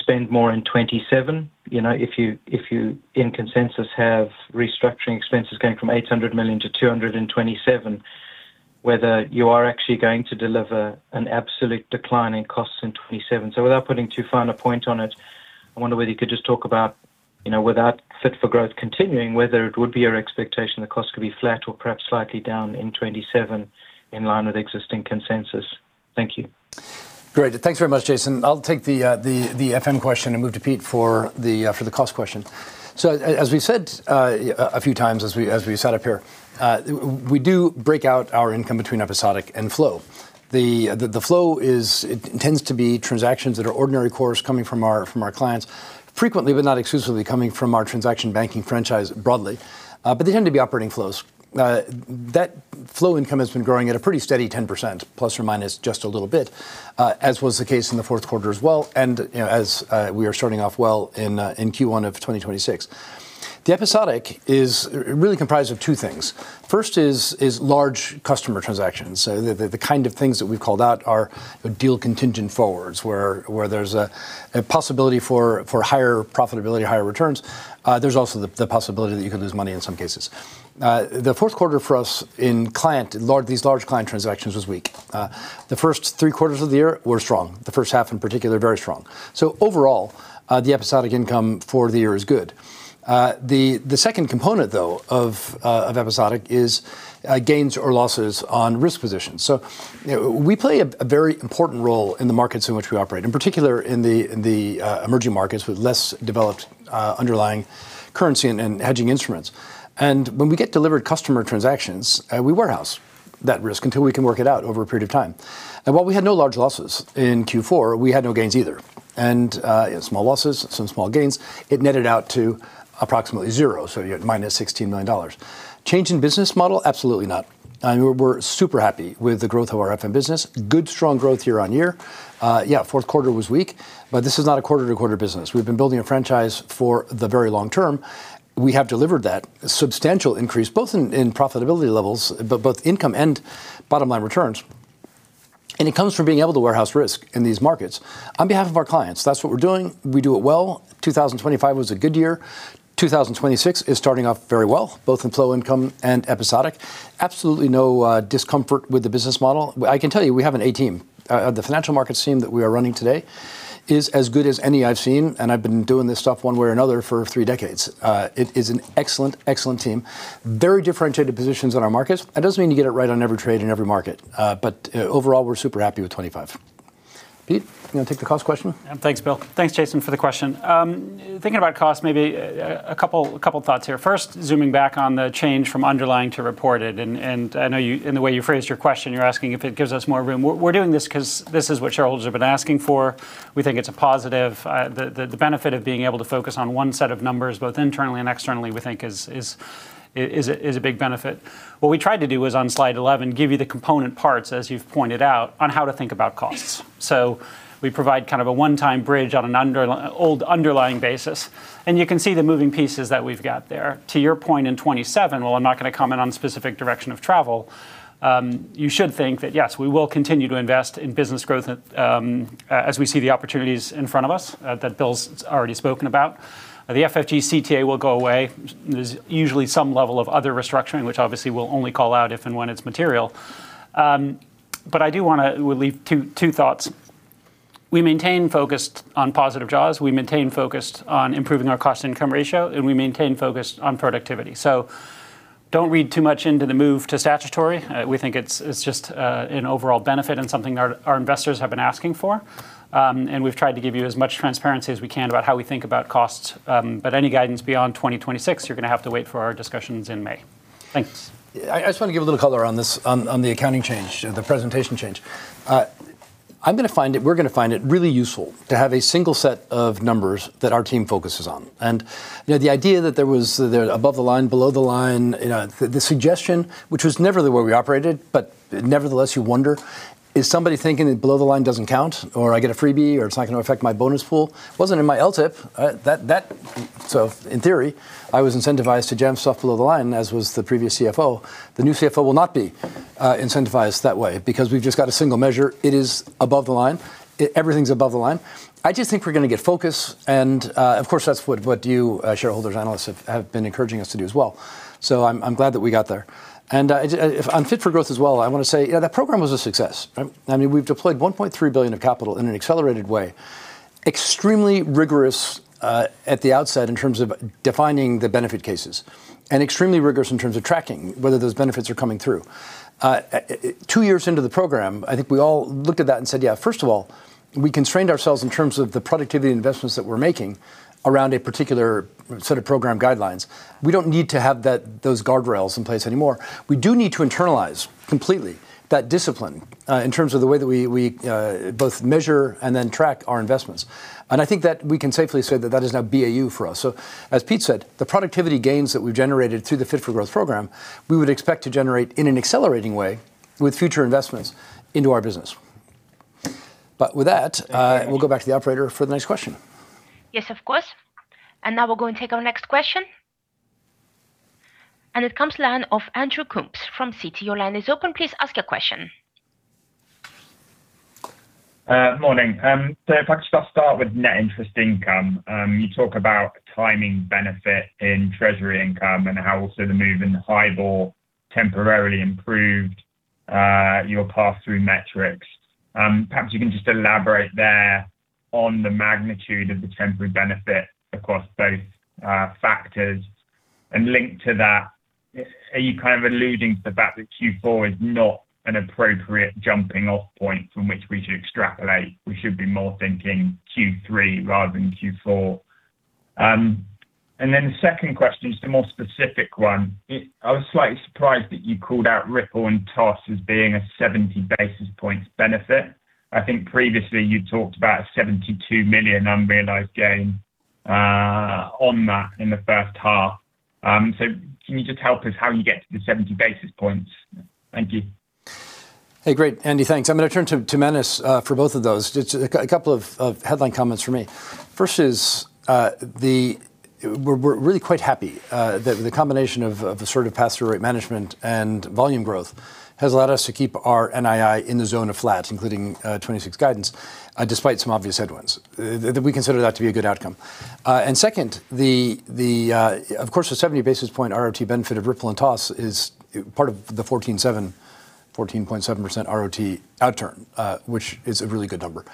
spend more in 2027. You know, if you in consensus have restructuring expenses going from 800 million to 227, whether you are actually going to deliver an absolute decline in costs in 2027. Without putting too fine a point on it, I wonder whether you could just talk about, you know, without Fit for Growth continuing, whether it would be your expectation the cost could be flat or perhaps slightly down in 2027 in line with existing consensus. Thank you. Great. Thanks very much, Jason. I'll take the FM question and move to Pete for the cost question. As we said, a few times as we, as we sat up here, we do break out our income between episodic and flow. The flow tends to be transactions that are ordinary course coming from our, from our clients, frequently, but not exclusively, coming from our transaction banking franchise broadly, but they tend to be operating flows. That flow income has been growing at a pretty steady 10%, plus or minus just a little bit, as was the case in the Q4 as well, and, you know, as, we are starting off well in Q1 of 2026. The episodic is really comprised of two things. First is large customer transactions. The kind of things that we've called out are deal contingent forwards, where there's a possibility for higher profitability, higher returns. There's also the possibility that you could lose money in some cases. The Q4 for us in client, these large client transactions was weak. The first three quarters of the year were strong. The first half, in particular, very strong. Overall, the episodic income for the year is good. The second component, though, of episodic is gains or losses on risk positions. You know, we play a very important role in the markets in which we operate, in particular, in the emerging markets with less developed underlying currency and hedging instruments. When we get delivered customer transactions, we warehouse that risk until we can work it out over a period of time. While we had no large losses in Q4, we had no gains either. Small losses, some small gains, it netted out to approximately zero, so you had minus $16 million. Change in business model? Absolutely not. I mean, we're super happy with the growth of our FM business. Good, strong growth year-on-year. Yeah, Q4 was weak, this is not a quarter-to-quarter business. We've been building a franchise for the very long term. We have delivered that substantial increase, both in profitability levels, but both income and bottom line returns, and it comes from being able to warehouse risk in these markets on behalf of our clients. That's what we're doing. We do it well. 2025 was a good year. 2026 is starting off very well, both in flow income and episodic. Absolutely no discomfort with the business model. I can tell you, we have an A team. The financial markets team that we are running today is as good as any I've seen, and I've been doing this stuff one way or another for three decades. It is an excellent team. Very differentiated positions on our markets. That doesn't mean you get it right on every trade in every market, but overall, we're super happy with 2025. Pete, you want to take the cost question? Thanks, Bill. Thanks, Jason, for the question. Thinking about cost, maybe a couple thoughts here. First, zooming back on the change from underlying to reported, and I know you, in the way you phrased your question, you're asking if it gives us more room. We're doing this 'cause this is what shareholders have been asking for. We think it's a positive. The benefit of being able to focus on one set of numbers, both internally and externally, we think is a big benefit. What we tried to do is, on slide 11, give you the component parts, as you've pointed out, on how to think about costs. We provide kind of a one-time bridge on an old underlying basis, and you can see the moving pieces that we've got there. To your point in 2027, while I'm not going to comment on specific direction of travel, you should think that, yes, we will continue to invest in business growth as we see the opportunities in front of us that Bill's already spoken about. The FFG CTA will go away. There's usually some level of other restructuring, which obviously we'll only call out if and when it's material. I do want to leave two thoughts. We maintain focus on positive jaws, we maintain focus on improving our cost-income ratio, and we maintain focus on productivity. Don't read too much into the move to statutory. We think it's just an overall benefit and something our investors have been asking for. We've tried to give you as much transparency as we can about how we think about costs, but any guidance beyond 2026, you're going to have to wait for our discussions in May. Thanks. I just want to give a little color on this, on the accounting change, the presentation change. I'm going to find it, we're going to find it really useful to have a single set of numbers that our team focuses on. You know, the idea that there was, the above the line, below the line, the suggestion, which was never the way we operated, but nevertheless, you wonder, is somebody thinking that below the line doesn't count, or I get a freebie, or it's not going to affect my bonus pool? Wasn't in my LTIP. That. So in theory, I was incentivized to jam stuff below the line, as was the previous CFO. The new CFO will not be incentivized that way, because we've just got a single measure. It is above the line. Everything's above the line. I just think we're going to get focus, and, of course, that's what you, shareholders, analysts have been encouraging us to do as well. I'm glad that we got there. On Fit for Growth as well, I want to say, you know, that program was a success, right? I mean, we've deployed $1.3 billion of capital in an accelerated way. Extremely rigorous at the outset in terms of defining the benefit cases, and extremely rigorous in terms of tracking whether those benefits are coming through. Two years into the program, I think we all looked at that and said, "Yeah, first of all, we constrained ourselves in terms of the productivity investments that we're making around a particular set of program guidelines." We don't need to have those guardrails in place anymore. We do need to internalize completely that discipline, in terms of the way that we, we, both measure and then track our investments, and I think that we can safely say that that is now BAU for us. As Pete said, the productivity gains that we've generated through the Fit for Growth program, we would expect to generate in an accelerating way with future investments into our business. But with that- Thank you.... we'll go back to the operator for the next question. Yes, of course. Now we'll go and take our next question. It comes the line of Andrew Coombs from Citi. Your line is open. Please ask your question. Morning. If I could just start with net interest income. You talk about timing benefit in treasury income and how also the move in the HIBOR temporarily improved your pass-through metrics. Perhaps you can just elaborate there on the magnitude of the temporary benefit across both factors. Linked to that, are you kind of alluding to the fact that Q4 is not an appropriate jumping-off point from which we should extrapolate, we should be more thinking Q3 rather than Q4? Then the second question is the more specific one. I was slightly surprised that you called out Ripple and Toss as being a 70 basis points benefit. I think previously you talked about a $72 million unrealized gain on that in the first half. Can you just help us how you get to the 70 basis points? Thank you. Hey, great, Andy. Thanks. I'm going to turn to Manus for both of those. Just a couple of headline comments from me. First is, We're really quite happy that the combination of assertive pass-through rate management and volume growth has allowed us to keep our NII in the zone of flat, including 2026 guidance, despite some obvious headwinds. That, we consider that to be a good outcome. Second, of course, the 70 basis point ROT benefit of Ripple and Toss is part of the 14.7% ROT outturn, which is a really good number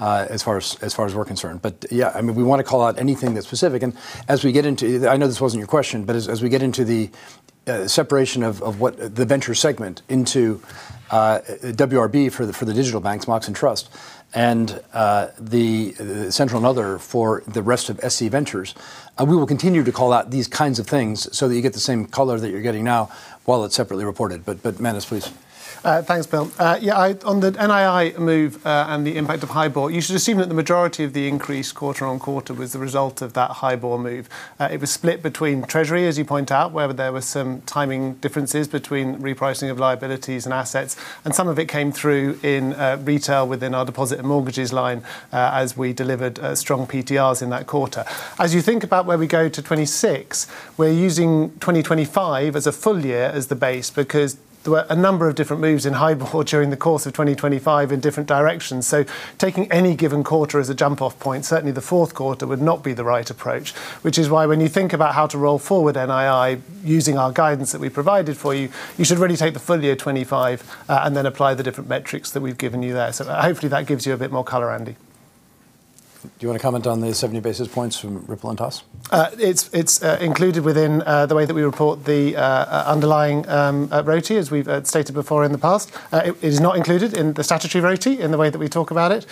as far as we're concerned. Yeah, I mean, we want to call out anything that's specific. As we get into... I know this wasn't your question, but as we get into the separation of what the venture segment into WRB for the digital banks, Mox and Trust, and the Central and other for the rest of SC Ventures, we will continue to call out these kinds of things so that you get the same color that you're getting now while it's separately reported. Manus, please. Thanks, Bill. Yeah, I, on the NII move, and the impact of HIBOR, you should assume that the majority of the increase quarter-on-quarter was the result of that HIBOR move. It was split between Treasury, as you point out, where there were some timing differences between repricing of liabilities and assets, and some of it came through in retail within our deposit and mortgages line, as we delivered strong PTRs in that quarter. As you think about where we go to 2026, we're using 2025 as a full year as the base, because there were a number of different moves in HIBOR during the course of 2025 in different directions. Taking any given quarter as a jump-off point, certainly the Q4 would not be the right approach. When you think about how to roll forward NII, using our guidance that we provided for you, you should really take the full year 2025, and then apply the different metrics that we've given you there. Hopefully, that gives you a bit more color, Andy. Do you want to comment on the 70 basis points from Ripple and Toss? It's included within the way that we report the underlying RoTE, as we've stated before in the past. It is not included in the statutory RoTE, in the way that we talk about it.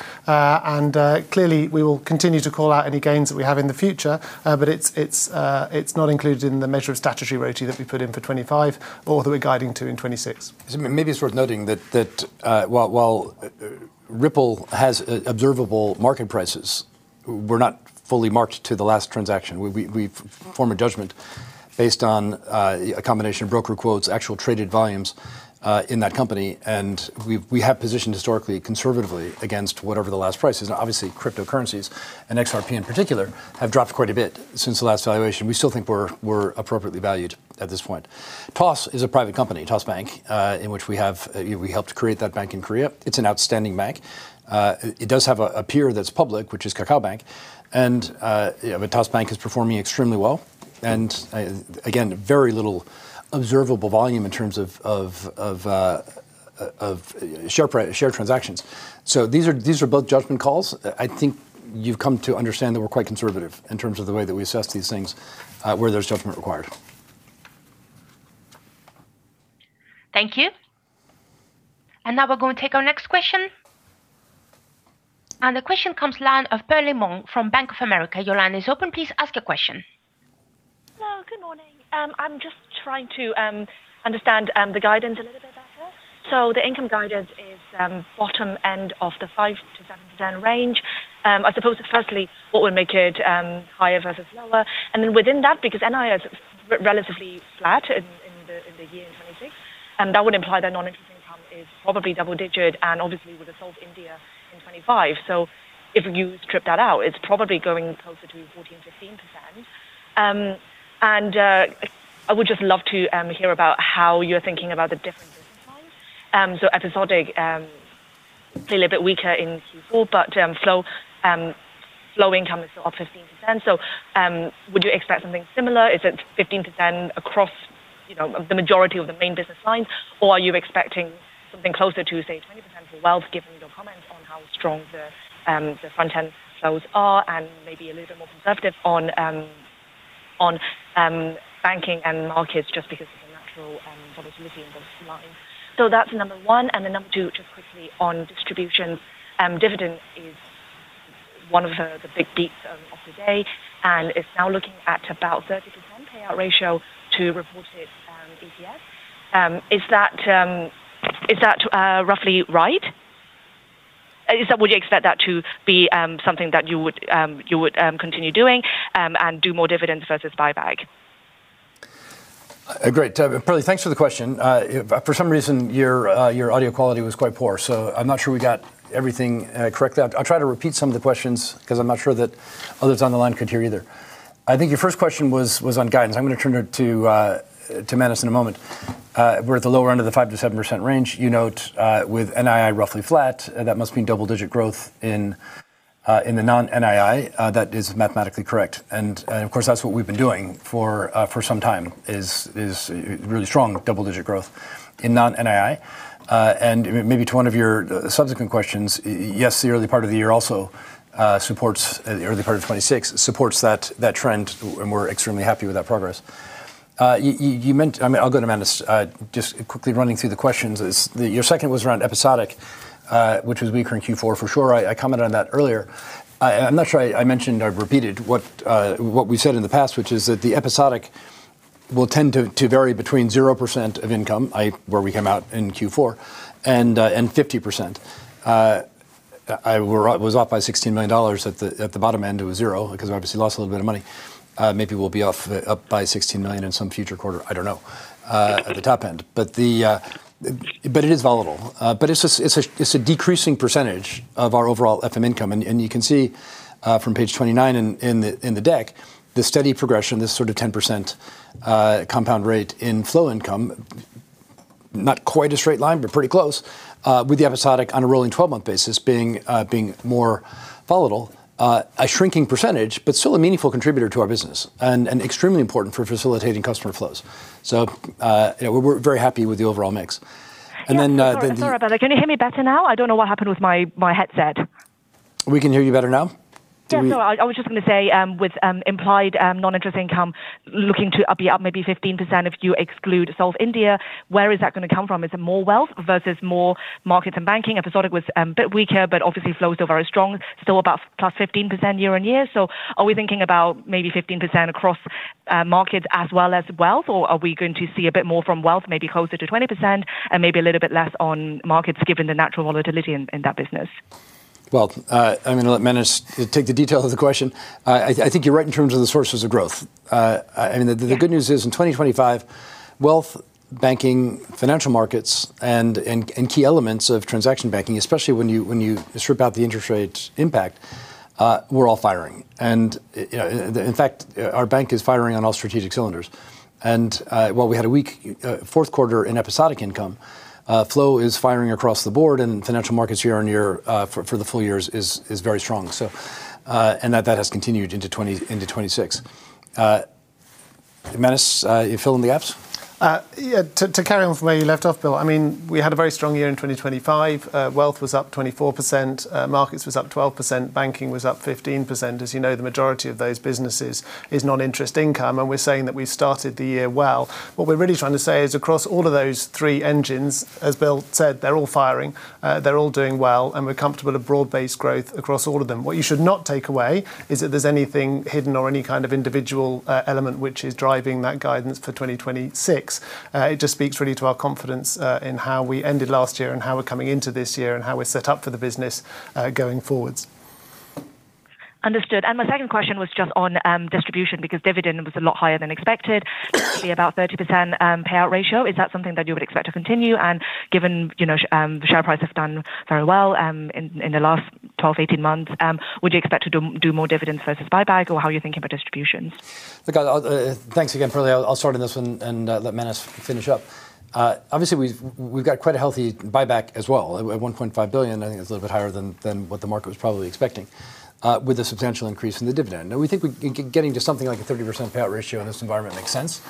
Clearly, we will continue to call out any gains that we have in the future, but it's not included in the measure of statutory RoTE that we put in for 2025 or that we're guiding to in 2026. Maybe it's worth noting that while Ripple has observable market prices, we're not fully marked to the last transaction. We form a judgment based on a combination of broker quotes, actual traded volumes in that company, and we have positioned historically, conservatively against whatever the last price is. Obviously, cryptocurrencies, and XRP in particular, have dropped quite a bit since the last valuation. We still think we're appropriately valued at this point. Toss is a private company, Toss Bank, in which We helped create that bank in Korea. It's an outstanding bank. It does have a peer that's public, which is KakaoBank, and Toss Bank is performing extremely well. Again, very little observable volume in terms of shared transactions. These are, these are both judgment calls. I think you've come to understand that we're quite conservative in terms of the way that we assess these things, where there's judgment required. Thank you. Now we're going to take our next question. The question comes line of Perlie Mong from Bank of America. Your line is open. Please ask your question. Hello, good morning. I'm just trying to understand the guidance a little bit better. The income guidance is bottom end of the 5 to 7% range. I suppose firstly, what would make it higher versus lower? Within that, because NII is relatively flat in the year in 2026, that would imply that non-interest income is probably double digit, and obviously with the South India in 2025. If you strip that out, it's probably going closer to 14 to 15%. I would just love to hear about how you're thinking about the different business lines. Episodic feel a little bit weaker in Q4, but slow income is still up 15%. Would you expect something similar? Is it 15% across, you know, the majority of the main business lines, or are you expecting something closer to, say, 20% for wealth, given your comment on how strong the front-end flows are, and maybe a little more conservative on banking and markets, just because of the natural volatility in those lines? That's number 1, and then number 2, just quickly on distribution. Dividend is one of the big beats of the day, and it's now looking at about 30% payout ratio to reported EPS. Is that roughly right? Would you expect that to be something that you would continue doing, and do more dividends versus buyback? Great. Perlie, thanks for the question. For some reason, your audio quality was quite poor, so I'm not sure we got everything correctly. I'll try to repeat some of the questions, 'cause I'm not sure that others on the line could hear either. I think your first question was on guidance. I'm going to turn it to Manus in a moment. We're at the lower end of the 5 to 7% range. You note, with NII roughly flat, that must mean double-digit growth in the non-NII. That is mathematically correct. Of course, that's what we've been doing for some time, is really strong double-digit growth in non-NII. Maybe to one of your subsequent questions, yes, the early part of the year also supports... The early part of 2026 supports that, that trend, and we're extremely happy with that progress. I mean, I'll go to Manus. Just quickly running through the questions, your second was around episodic, which was weaker in Q4, for sure. I, I commented on that earlier. I'm not sure I, I mentioned or repeated what we said in the past, which is that the episodic will tend to, to vary between 0% of income, where we came out in Q4, and 50%. Was off by $16 million at the, at the bottom end, it was 0, because we obviously lost a little bit of money. Maybe we'll be off by $16 million in some future quarter, I don't know, at the top end. It is volatile. It's a decreasing percentage of our overall FM income. You can see from page 29 in the deck, the steady progression, this sort of 10% compound rate in flow income, not quite a straight line, but pretty close, with the episodic on a rolling 12-month basis, being more volatile. A shrinking percentage, but still a meaningful contributor to our business, and extremely important for facilitating customer flows. Yeah, we're very happy with the overall mix. Sorry about that. Can you hear me better now? I don't know what happened with my headset. We can hear you better now. Yeah. Can we- I was just gonna say, with implied non-interest income, looking to be up maybe 15%, if you exclude South India, where is that gonna come from? Is it more wealth versus more markets and banking? Episodic was a bit weaker, but obviously flows are very strong, still about +15% year on year. Are we thinking about maybe 15% across markets as well as wealth, or are we going to see a bit more from wealth, maybe closer to 20% and maybe a little bit less on markets, given the natural volatility in, in that business? Well, I'm going to let Manus take the details of the question. I think you're right in terms of the sources of growth. Yeah. I mean, the good news is, in 2025, wealth, banking, Financial Markets, and key elements of transaction banking, especially when you strip out the interest rate impact, we're all firing. In fact, our bank is firing on all strategic cylinders. While we had a weak Q4 in episodic income, flow is firing across the board, and Financial Markets year-on-year, for the full year is very strong. That has continued into 2026. Manus, you fill in the gaps? Yeah. To carry on from where you left off, Bill, I mean, we had a very strong year in 2025. Wealth was up 24%, markets was up 12%, banking was up 15%. As you know, the majority of those businesses is non-interest income, and we're saying that we started the year well. What we're really trying to say is across all of those three engines, as Bill said, they're all firing, they're all doing well, and we're comfortable with broad-based growth across all of them. What you should not take away is that there's anything hidden or any kind of individual, element which is driving that guidance for 2026. It just speaks really to our confidence, in how we ended last year and how we're coming into this year, and how we're set up for the business, going forwards. Understood. My second question was just on distribution, because dividend was a lot higher than expected. It'll be about 30% payout ratio. Is that something that you would expect to continue? Given, you know, the share price has done very well in the last 12, 18 months, would you expect to do more dividends versus buyback, or how are you thinking about distributions? Thanks again, Perlie. I'll start on this one and let Manus finish up. Obviously, we've got quite a healthy buyback as well. At 1.5 billion, I think it's a little bit higher than what the market was probably expecting, with a substantial increase in the dividend. We think we getting to something like a 30% payout ratio in this environment makes sense,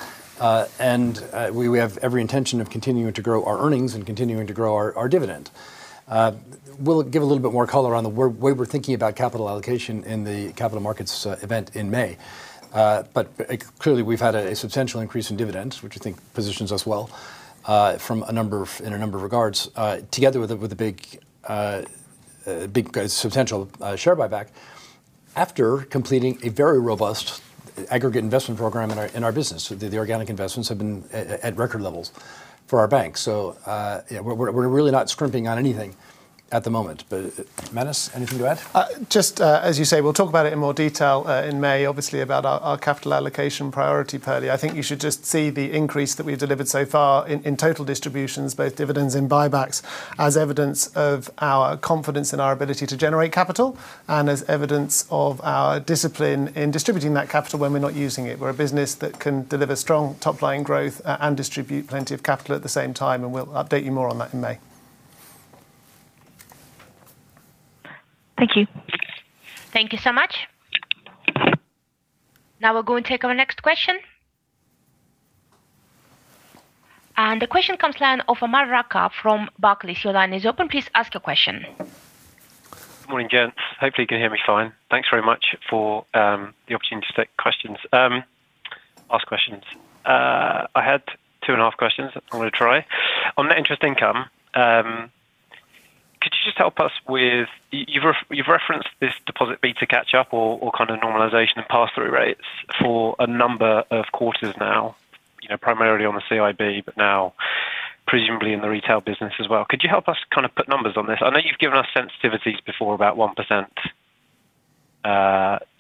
and we have every intention of continuing to grow our earnings and continuing to grow our dividend. We'll give a little bit more color on the way we're thinking about capital allocation in the capital markets event in May. Clearly, we've had a substantial increase in dividends, which I think positions us well, from a number of regards, together with a big substantial share buyback, after completing a very robust aggregate investment program in our business. The organic investments have been at record levels for our bank. Yeah, we're really not scrimping on anything at the moment. Manus, anything to add? Just, as you say, we'll talk about it in more detail, in May, obviously, about our, our capital allocation priority, Perlie. I think you should just see the increase that we've delivered so far in, in total distributions, both dividends and buybacks, as evidence of our confidence in our ability to generate capital and as evidence of our discipline in distributing that capital when we're not using it. We're a business that can deliver strong top-line growth and distribute plenty of capital at the same time, and we'll update you more on that in May. Thank you. Thank you so much. Now we'll go and take our next question. The question comes line of Aman Rakkar from Barclays. Your line is open. Please ask your question. Good morning, gents. Hopefully, you can hear me fine. Thanks very much for the opportunity to take questions, ask questions. I had two and a half questions I'm gonna try. On the interest income, could you just help us with? You've referenced this deposit beta catch-up or kind of normalization of pass-through rates for a number of quarters now, you know, primarily on the CIB, but now presumably in the retail business as well. Could you help us kind of put numbers on this? I know you've given us sensitivities before about 1%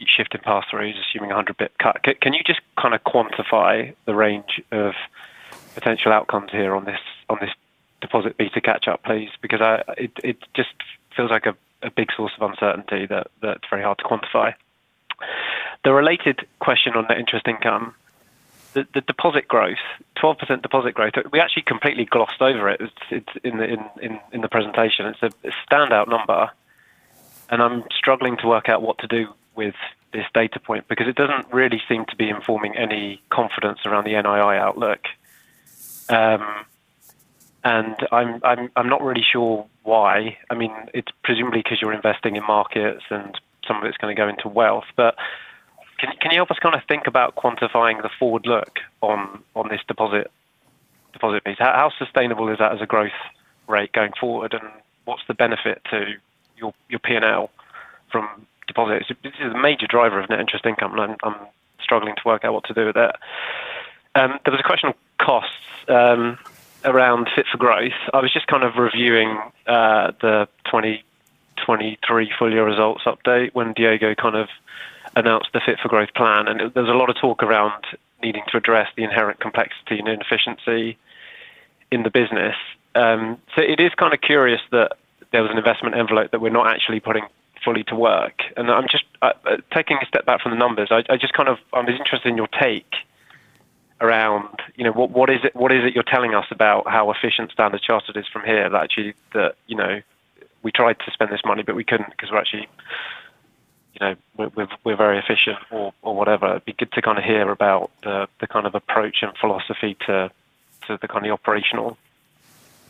shift in pass-throughs, assuming a 100 bit cut. Can you just kind of quantify the range of potential outcomes here on this deposit beta catch up, please? Because it just feels like a big source of uncertainty that, that's very hard to quantify. The related question on the interest income, the deposit growth, 12% deposit growth, we actually completely glossed over it. It's in the presentation. It's a standout number, and I'm struggling to work out what to do with this data point because it doesn't really seem to be informing any confidence around the NII outlook. I'm not really sure why. I mean, it's presumably 'cause you're investing in markets, and some of it's gonna go into wealth. Can you help us kind of think about quantifying the forward look on this deposit base? How sustainable is that as a growth rate going forward, and what's the benefit to your P&L from deposits? This is a major driver of net interest income, I'm struggling to work out what to do with that. There was a question on costs, around Fit for Growth. I was just kind of reviewing the 2023 full year results update when Diego kind of announced the Fit for Growth plan, and there was a lot of talk around needing to address the inherent complexity and inefficiency in the business. It is kind of curious that there was an investment envelope that we're not actually putting fully to work. I'm just taking a step back from the numbers. I just kind of I'm interested in your take around, you know, what is it you're telling us about how efficient Standard Chartered is from here that actually, that, you know, we tried to spend this money, but we couldn't, 'cause we're actually, you know, we're very efficient or, or whatever? It'd be good to kind of hear about the kind of approach and philosophy to the kind of operational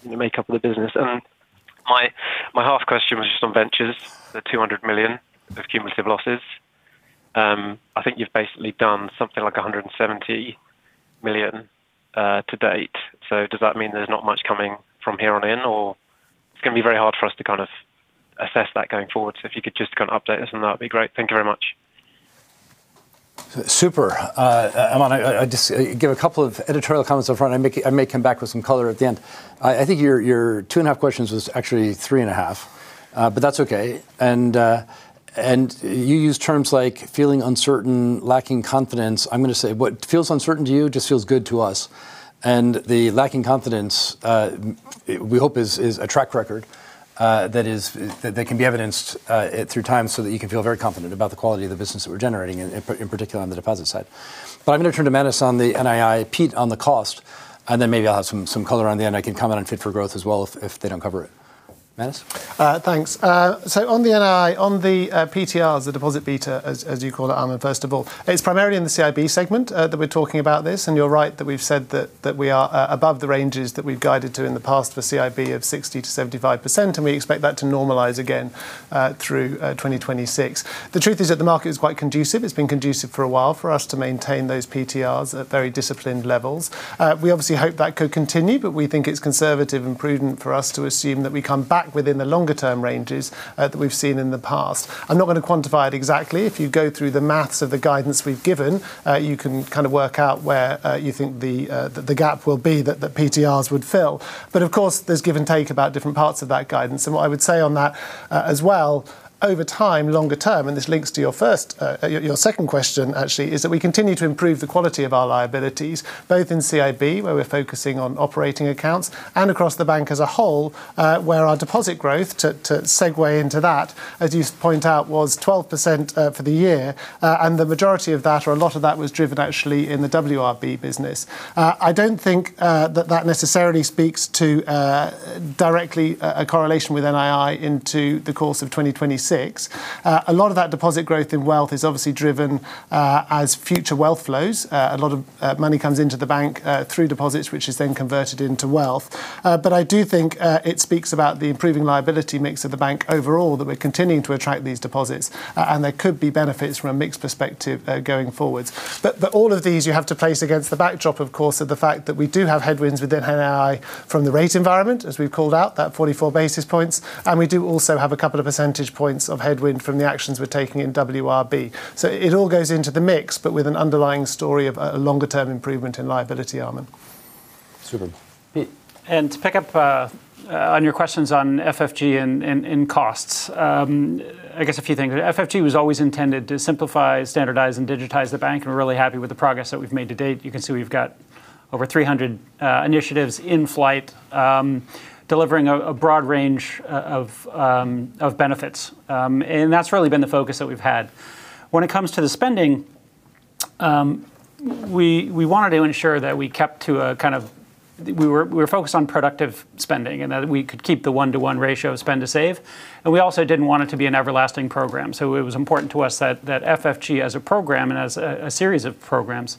in the makeup of the business. My half question was just on ventures, the $200 million of cumulative losses. I think you've basically done something like $170 million to date. Does that mean there's not much coming from here on in, or it's gonna be very hard for us to kind of assess that going forward. If you could just kind of update us on that, that'd be great. Thank you very much. Super. Aman, I just give a couple of editorial comments up front, and I may, I may come back with some color at the end. I think your 2.5 questions was actually 3.5, but that's okay. You use terms like feeling uncertain, lacking confidence. I'm gonna say, what feels uncertain to you just feels good to us. The lacking confidence we hope is a track record that is that can be evidenced at through time so that you can feel very confident about the quality of the business that we're generating, and in particular, on the deposit side. I'm gonna turn to Manus on the NII, Pete on the cost, and then maybe I'll have some color on the end. I can comment on Fit for Growth as well if, if they don't cover it. Manus? Thanks. On the NII, on the PTRs, the deposit beta, as you call it, Aman, first of all, it's primarily in the CIB segment that we're talking about this, and you're right that we've said that we are above the ranges that we've guided to in the past for CIB of 60 to 75%, and we expect that to normalize again through 2026. The truth is that the market is quite conducive. It's been conducive for a while for us to maintain those PTRs at very disciplined levels. We obviously hope that could continue, but we think it's conservative and prudent for us to assume that we come back within the longer-term ranges that we've seen in the past. I'm not gonna quantify it exactly. If you go through the maths of the guidance we've given, you can kind of work out where you think the gap will be that the PTRs would fill. Of course, there's give and take about different parts of that guidance, and what I would say on that as well, over time, longer term, and this links to your first, your second question, actually, is that we continue to improve the quality of our liabilities, both in CIB, where we're focusing on operating accounts, and across the bank as a whole, where our deposit growth, to segue into that, as you point out, was 12% for the year. The majority of that or a lot of that was driven actually in the WRB business. I don't think that that necessarily speaks to directly a correlation with NII into the course of 2026. A lot of that deposit growth in wealth is obviously driven as future wealth flows. A lot of money comes into the bank through deposits, which is then converted into wealth. I do think it speaks about the improving liability mix of the bank overall, that we're continuing to attract these deposits, and there could be benefits from a mix perspective going forward. All of these, you have to place against the backdrop, of course, of the fact that we do have headwinds within NII from the rate environment, as we've called out, that 44 basis points, and we do also have a couple of percentage points of headwind from the actions we're taking in WRB. It all goes into the mix, but with an underlying story of a, a longer-term improvement in liability, Aman. Super. Pete? To pick up on your questions on FFG and costs, I guess a few things. FFG was always intended to simplify, standardize, and digitize the bank. We're really happy with the progress that we've made to date. You can see we've got over 300 initiatives in flight, delivering a broad range of benefits. That's really been the focus that we've had. When it comes to the spending, we wanted to ensure that we were focused on productive spending, that we could keep the 1-to-1 ratio of spend to save. We also didn't want it to be an everlasting program. It was important to us that, that FFG, as a program and as a series of programs,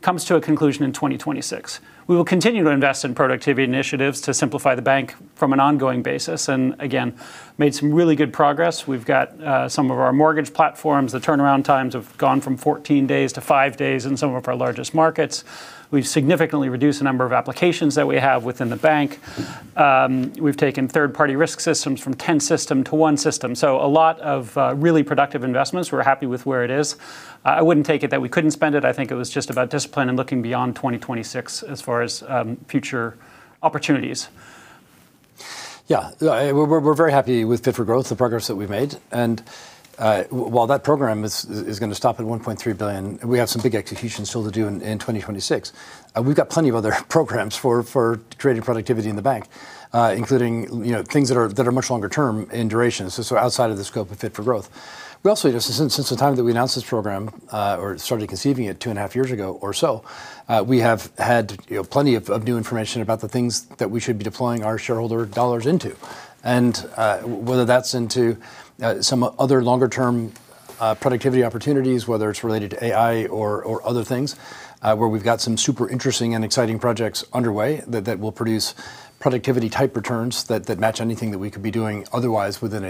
comes to a conclusion in 2026. We will continue to invest in productivity initiatives to simplify the bank from an ongoing basis, and again, made some really good progress. We've got some of our mortgage platforms. The turnaround times have gone from 14 days to 5 days in some of our largest markets. We've significantly reduced the number of applications that we have within the bank. We've taken third-party risk systems from 10 system to 1 system, so a lot of really productive investments. We're happy with where it is. I wouldn't take it that we couldn't spend it. I think it was just about discipline and looking beyond 2026 as far as future opportunities. Yeah. Yeah, we're very happy with Fit for Growth, the progress that we've made. While that program is gonna stop at $1.3 billion, we have some big executions still to do in 2026. We've got plenty of other programs for creating productivity in the bank, including, you know, things that are much longer term in duration, so outside of the scope of Fit for Growth. We also, just since the time that we announced this program, or started conceiving it two and a half years ago or so, we have had, you know, plenty of new information about the things that we should be deploying our shareholder dollars into. Whether that's into some other longer-term productivity opportunities, whether it's related to AI or other things, where we've got some super interesting and exciting projects underway, that will produce productivity-type returns that match anything that we could be doing otherwise within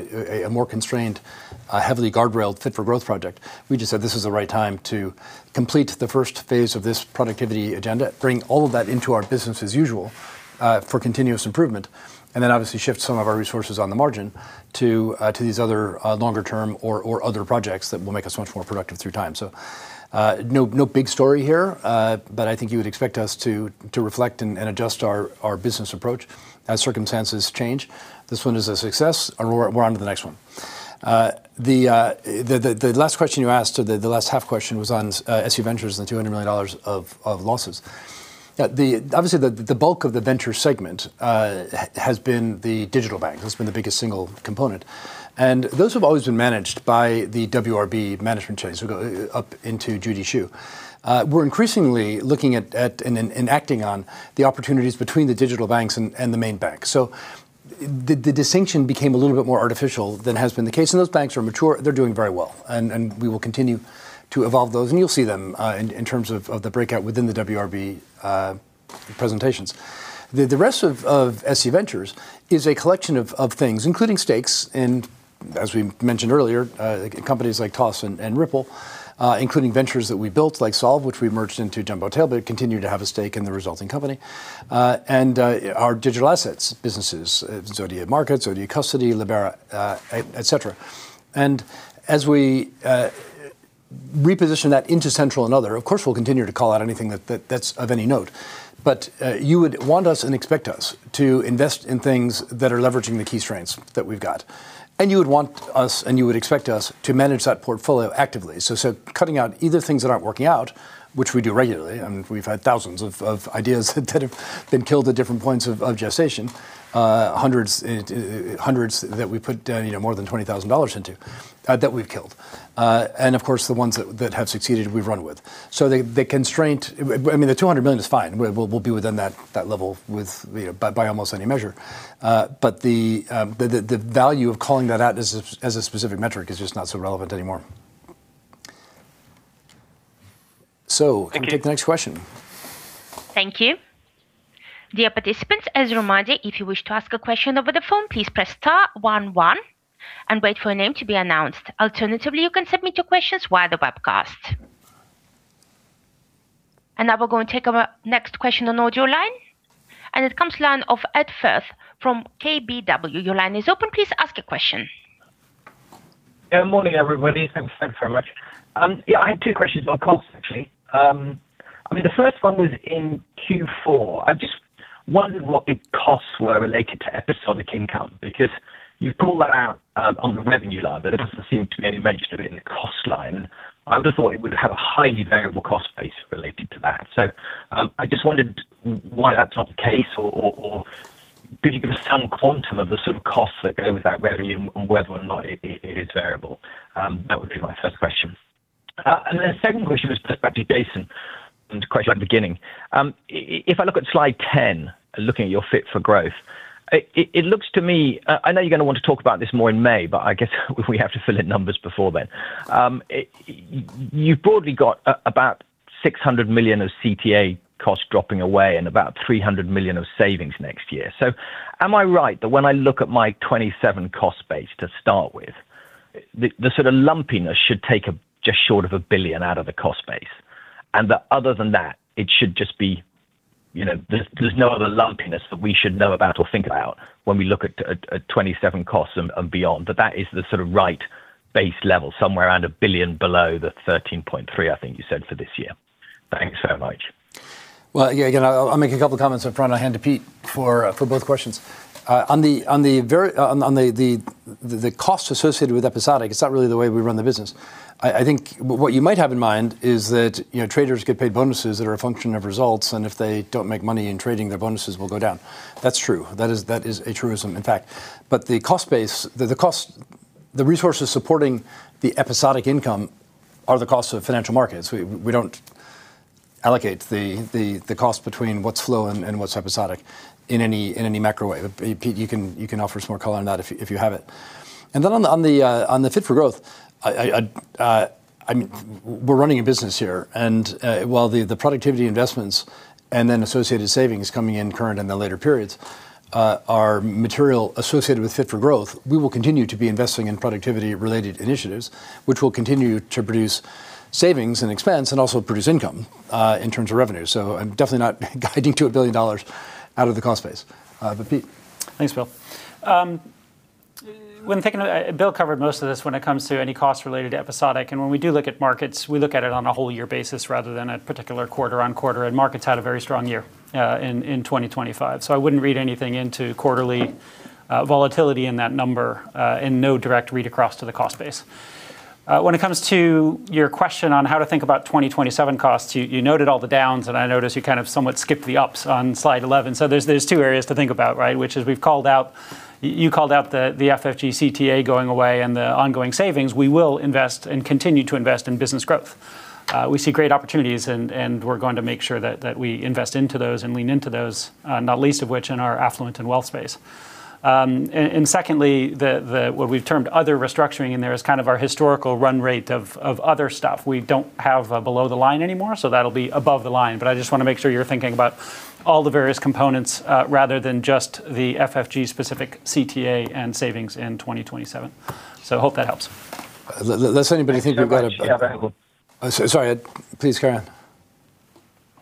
a more constrained, heavily guardrailed Fit for Growth project. We just said this is the right time to complete the first phase of this productivity agenda, bring all of that into our business as usual, for continuous improvement, and then obviously shift some of our resources on the margin to these other longer term or other projects that will make us much more productive through time. No, no big story here, but I think you would expect us to reflect and adjust our business approach as circumstances change. This one is a success, we're onto the next one. The last question you asked, or the last half question, was on SC Ventures and the $200 million of losses. Obviously, the bulk of the venture segment has been the digital bank. That's been the biggest single component, and those have always been managed by the WRB management chain, go up into Judy Hsu. We're increasingly looking at and acting on the opportunities between the digital banks and the main bank. The distinction became a little bit more artificial than has been the case, those banks are mature. They're doing very well, and we will continue to evolve those, and you'll see them in terms of the breakout within the WRB presentations. The rest of SC Ventures is a collection of things, including stakes in as we mentioned earlier, companies like Toss and Ripple, including ventures that we built, like Solve, which we merged into Jumbotail, but continue to have a stake in the resulting company. Our digital assets businesses, Zodia Markets, Zodia Custody, Libeara, et cetera. As we reposition that into Central and other, of course, we'll continue to call out anything that's of any note. You would want us and expect us to invest in things that are leveraging the key strengths that we've got. You would want us, and you would expect us, to manage that portfolio actively. cutting out either things that aren't working out, which we do regularly, and we've had thousands of ideas that have been killed at different points of gestation, hundreds that we put, you know, more than $20,000 into that we've killed. Of course, the ones that have succeeded, we've run with. The constraint- I mean, the $200 million is fine. We'll be within that level with, you know, by almost any measure. but the value of calling that out as a specific metric is just not so relevant anymore. Thank you. We can take the next question. Thank you. Dear participants, as a reminder, if you wish to ask a question over the phone, please press star one one and wait for your name to be announced. Alternatively, you can submit your questions via the webcast. Now we're going to take our next question on audio line, and it comes the line of Edward Firth from KBW. Your line is open. Please ask a question. Morning, everybody. Thanks very much. I had 2 questions on costs, actually. I mean, the first one was in Q4. I just wondered what the costs were related to episodic income, because you've called that out on the revenue line, but there doesn't seem to be any mention of it in the cost line. I would have thought it would have a highly variable cost base related to that. I just wondered why that's not the case, or could you give us some quantum of the sort of costs that go with that revenue and whether or not it is variable? That would be my first question. The second question was perhaps to Jason, and a question at the beginning. If I look at slide 10, looking at your Fit for Growth, it looks to me, I know you're gonna want to talk about this more in May, but I guess we have to fill in numbers before then. You've broadly got about 600 million of CTA costs dropping away and about 300 million of savings next year. Am I right that when I look at my 2027 cost base to start with, the sort of lumpiness should take a, just short of 1 billion out of the cost base, and that other than that, it should just be, you know, there's no other lumpiness that we should know about or think about when we look at 2027 costs and beyond? That is the sort of right base level, somewhere around $1 billion below the $13.3, I think you said, for this year. Thanks so much. Well, yeah, again, I'll make a couple of comments up front. I'll hand to Pete for both questions. On the costs associated with episodic, it's not really the way we run the business. I think what you might have in mind is that, you know, traders get paid bonuses that are a function of results, and if they don't make money in trading, their bonuses will go down. That's true. That is a truism, in fact. The cost base, the resources supporting the episodic income are the cost of financial markets. We don't allocate the cost between what's flow and what's episodic in any macro way. Pete, you can offer some more color on that if you have it. On the Fit for Growth, I mean, we're running a business here. While the productivity investments and associated savings coming in current and the later periods are material associated with Fit for Growth, we will continue to be investing in productivity-related initiatives, which will continue to produce savings and expense, and also produce income in terms of revenue. I'm definitely not guiding to $1 billion out of the cost base. Pete. Thanks, Bill. When thinking about Bill covered most of this when it comes to any costs related to episodic, and when we do look at markets, we look at it on a whole year basis rather than a particular quarter-on-quarter, and markets had a very strong year in 2025. I wouldn't read anything into quarterly volatility in that number and no direct read across to the cost base. When it comes to your question on how to think about 2027 costs, you noted all the downs, and I noticed you kind of somewhat skipped the ups on slide 11. There's two areas to think about, right? Which is we've called out you called out the FFG CTA going away and the ongoing savings. We will invest and continue to invest in business growth. We see great opportunities, and we're going to make sure that we invest into those and lean into those, not least of which in our affluent and wealth space. Secondly, the what we've termed other restructuring in there is kind of our historical run rate of other stuff. We don't have below the line anymore, so that'll be above the line. I just want to make sure you're thinking about all the various components, rather than just the FFG specific CTA and savings in 2027. I hope that helps. Less anybody think we've got... Yeah, very well. Sorry, Ed. Please carry on.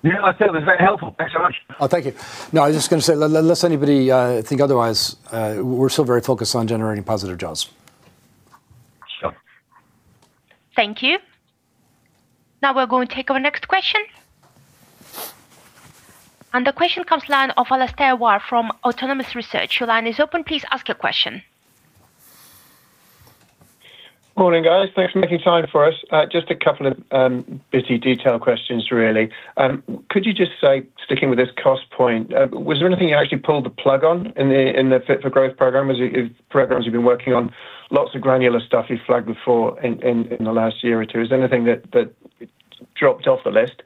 Yeah, that was very helpful. Thanks so much. Oh, thank you. No, I was just gonna say, less anybody think otherwise, we're still very focused on generating positive jaws. Sure. Thank you. Now, we're going to take our next question. The question comes line of Alastair Warr from Autonomous Research. Your line is open. Please ask a question. Morning, guys. Thanks for making time for us. just a couple of busy detail questions, really. could you just say, sticking with this cost point, was there anything you actually pulled the plug on in the Fit for Growth program? As programs you've been working on, lots of granular stuff you flagged before in, in, in the last year or two. Is there anything that, that dropped off the list?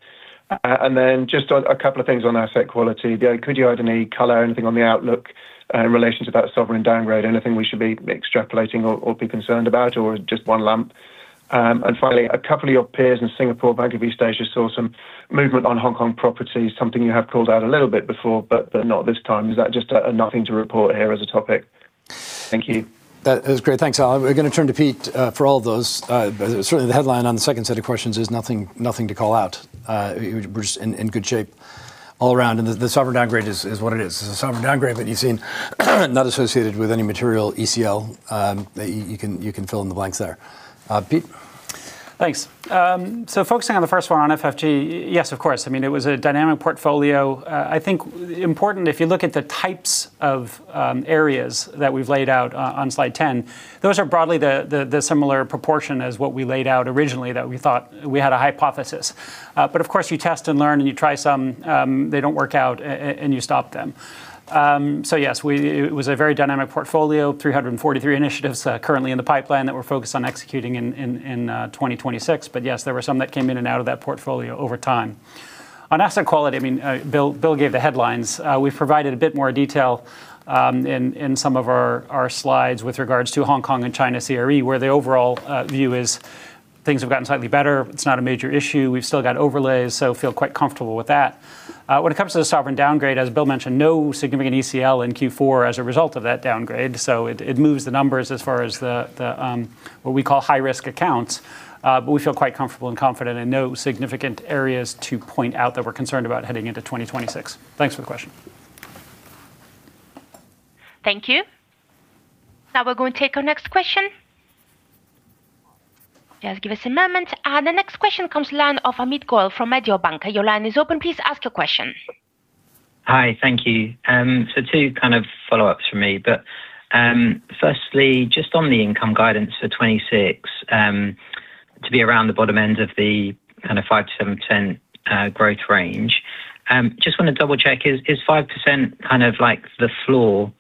just a couple of things on asset quality. Could you add any color or anything on the outlook in relation to that sovereign downgrade? Anything we should be extrapolating or, or be concerned about, or just one lump?... Finally, a couple of your peers in Singapore, Bank of East Asia, saw some movement on Hong Kong properties, something you have called out a little bit before, but not this time. Is that just nothing to report here as a topic? Thank you. That is great. Thanks, Al. We're gonna turn to Pete for all of those. Certainly, the headline on the second set of questions is nothing to call out. We're in good shape all around, and the sovereign downgrade is what it is. It's a sovereign downgrade that you've seen, not associated with any material ECL. You can fill in the blanks there. Pete? Thanks. So focusing on the first one, on FFG, yes, of course. I mean, it was a dynamic portfolio. I think important, if you look at the types of areas that we've laid out on slide 10, those are broadly the similar proportion as what we laid out originally, that we thought. We had a hypothesis. Of course you test and learn, and you try some, they don't work out and you stop them. So yes, it was a very dynamic portfolio, 343 initiatives, currently in the pipeline that we're focused on executing in 2026. Yes, there were some that came in and out of that portfolio over time. On asset quality, I mean, Bill gave the headlines. We've provided a bit more detail in some of our slides with regards to Hong Kong and China CRE, where the overall view is things have gotten slightly better. It's not a major issue. We've still got overlays, so feel quite comfortable with that. When it comes to the sovereign downgrade, as Bill mentioned, no significant ECL in Q4 as a result of that downgrade, so it moves the numbers as far as the what we call high-risk accounts. We feel quite comfortable and confident and no significant areas to point out that we're concerned about heading into 2026. Thanks for the question. Thank you. Now we're going to take our next question. Just give us a moment. The next question comes line of Amit Goel from Mediobanca. Your line is open. Please ask your question. Hi, thank you. Two kind of follow-ups from me, but, firstly, just on the income guidance for 2026, to be around the bottom end of the kind of 5 to 710 growth range, just want to double-check, is 5% kind of like the floor?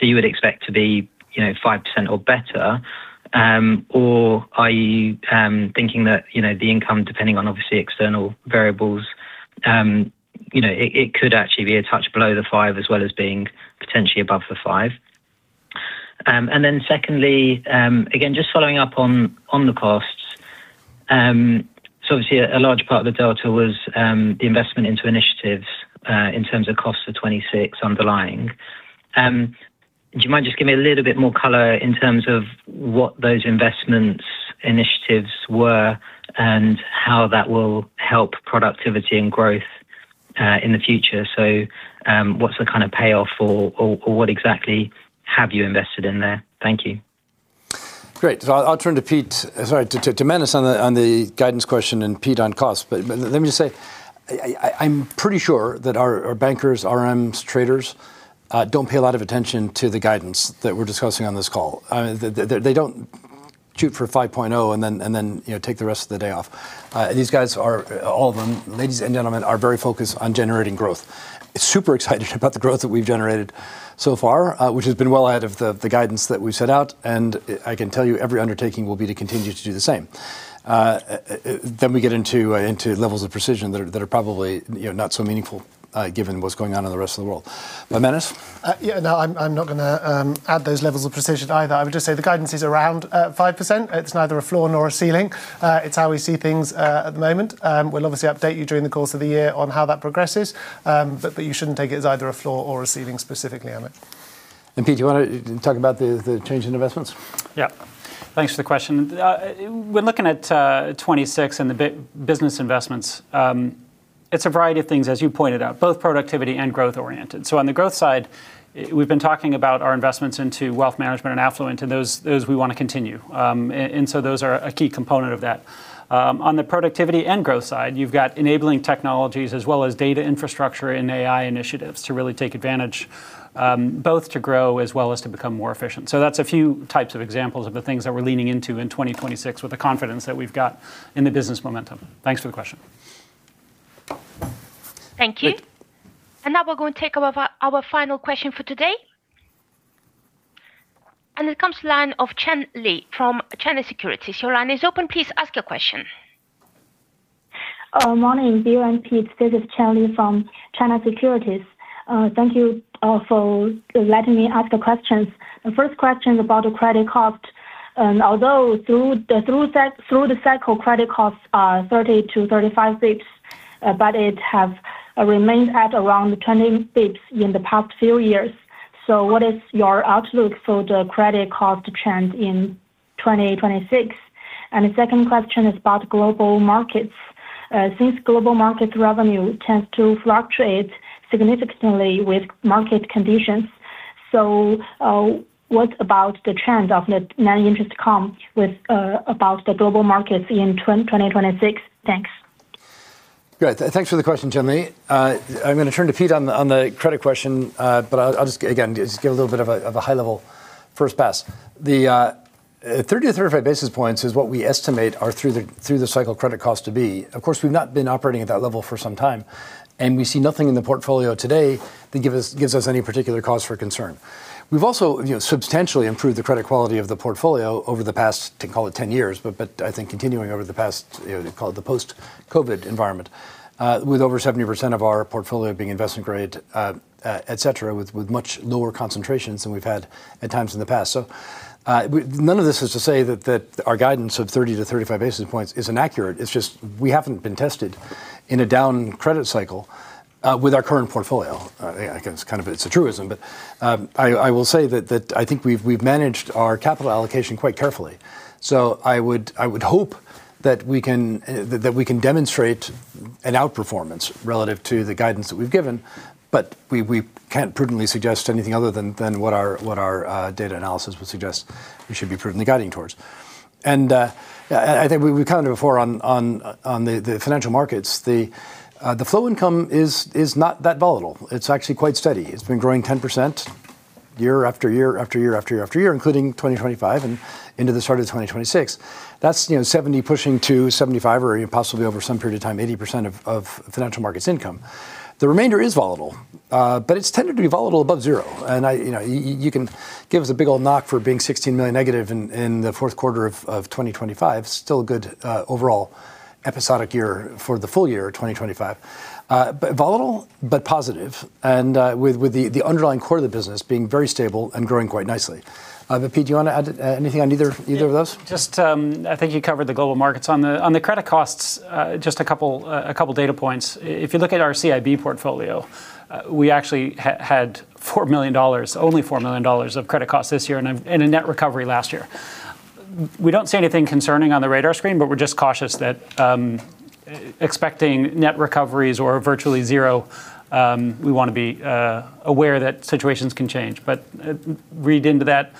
You would expect to be, you know, 5% or better, or are you thinking that, you know, the income, depending on obviously external variables, you know, it could actually be a touch below the 5, as well as being potentially above the 5? Secondly, again, just following up on the costs. Obviously a large part of the delta was the investment into initiatives, in terms of costs for 2026 underlying. Do you mind just giving me a little bit more color in terms of what those investments initiatives were, and how that will help productivity and growth in the future? What's the kind of payoff or what exactly have you invested in there? Thank you. Great. I'll turn to Pete, to Manus on the guidance question and Pete on cost. Let me just say, I'm pretty sure that our bankers, RMs, traders, don't pay a lot of attention to the guidance that we're discussing on this call. They don't shoot for 5.0, and then, you know, take the rest of the day off. These guys, all of them, ladies and gentlemen, are very focused on generating growth. Super excited about the growth that we've generated so far, which has been well ahead of the guidance that we've set out, and I can tell you, every undertaking will be to continue to do the same. Then we get into levels of precision that are probably, you know, not so meaningful, given what's going on in the rest of the world. Manus? Yeah, no, I'm, I'm not gonna add those levels of precision either. I would just say the guidance is around 5%. It's neither a floor nor a ceiling. It's how we see things at the moment. We'll obviously update you during the course of the year on how that progresses, but you shouldn't take it as either a floor or a ceiling specifically on it. Pete, do you want to talk about the change in investments? Yeah. Thanks for the question. When looking at 2026 and the business investments, it's a variety of things, as you pointed out, both productivity and growth-oriented. On the growth side, we've been talking about our investments into wealth management and affluent, and those we want to continue. Those are a key component of that. On the productivity and growth side, you've got enabling technologies as well as data infrastructure and AI initiatives to really take advantage, both to grow as well as to become more efficient. That's a few types of examples of the things that we're leaning into in 2026 with the confidence that we've got in the business momentum. Thanks for the question. Thank you. Good. Now we're going to take our final question for today. It comes line of Chen Li from China Securities. Your line is open. Please ask your question. Morning, Bill and Pete. This is Chen Li from China Securities. Thank you for letting me ask the questions. The first question about the credit cost. Although through the cycle, credit costs are 30-35 basis points, but it have remained at around 20 basis points in the past few years. What is your outlook for the credit cost trend in 2026? The second question is about Global Markets. Since Global Market revenue tends to fluctuate significantly with market conditions, what about the trend of net non-interest come with about the Global Markets in 2026? Thanks. Great. Thanks for the question, Chen Li. I'm going to turn to Pete on the credit question. I'll just, again, just give a little bit of a high-level first pass. 30-35 basis points is what we estimate are through the, through the cycle credit cost to be. Of course, we've not been operating at that level for some time, and we see nothing in the portfolio today that gives us any particular cause for concern. We've also, you know, substantially improved the credit quality of the portfolio over the past, call it 10 years, but I think continuing over the past, you know, call it the post-COVID environment, with over 70% of our portfolio being investment grade, et cetera, with much lower concentrations than we've had at times in the past. None of this is to say that our guidance of 30 to 35 basis points is inaccurate. It's just we haven't been tested in a down credit cycle with our current portfolio, I guess, kind of it's a truism, but I will say that I think we've managed our capital allocation quite carefully. I would hope that we can demonstrate an outperformance relative to the guidance that we've given, but we can't prudently suggest anything other than what our data analysis would suggest we should be prudently guiding towards. I think we've covered it before on the financial markets. The flow income is not that volatile. It's actually quite steady. It's been growing 10% year after year after year after year after year, including 2025 and into the start of 2026. That's, you know, 70 pushing to 75 or possibly over some period of time, 80% of financial markets income. The remainder is volatile, but it's tended to be volatile above zero, and I... You know, you can give us a big old knock for being $16 million negative in the Q4 of 2025. Still a good overall episodic year for the full year, 2025. Volatile, but positive, and with the underlying core of the business being very stable and growing quite nicely. Pete, do you want to add anything on either of those? Just, I think you covered the Global Markets. On the credit costs, just a couple data points. If you look at our CIB portfolio, we actually had $4 million, only $4 million of credit costs this year, and a net recovery last year. We don't see anything concerning on the radar screen, but we're just cautious that expecting net recoveries or virtually zero, we want to be aware that situations can change. Read into that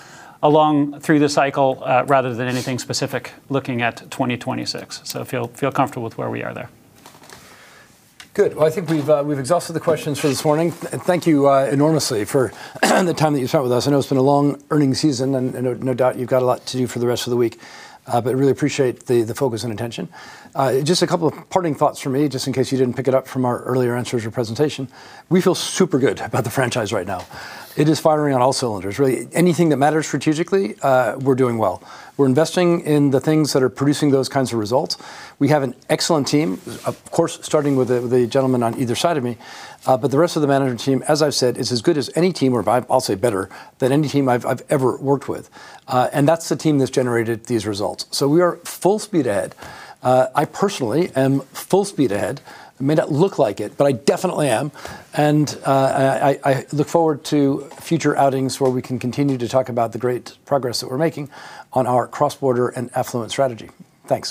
along through the cycle, rather than anything specific, looking at 2026. Feel comfortable with where we are there. Good. Well, I think we've exhausted the questions for this morning. Thank you enormously for the time that you spent with us. I know it's been a long earnings season, no doubt, you've got a lot to do for the rest of the week, but really appreciate the focus and attention. Just a couple of parting thoughts from me, just in case you didn't pick it up from our earlier answers or presentation. We feel super good about the franchise right now. It is firing on all cylinders. Really, anything that matters strategically, we're doing well. We're investing in the things that are producing those kinds of results. We have an excellent team, of course, starting with the gentleman on either side of me, but the rest of the management team, as I've said, is as good as any team, or I'll say better, than any team I've ever worked with. That's the team that's generated these results, we are full speed ahead. I personally am full speed ahead. I may not look like it, but I definitely am, and I look forward to future outings where we can continue to talk about the great progress that we're making on our cross-border and affluent strategy. Thanks.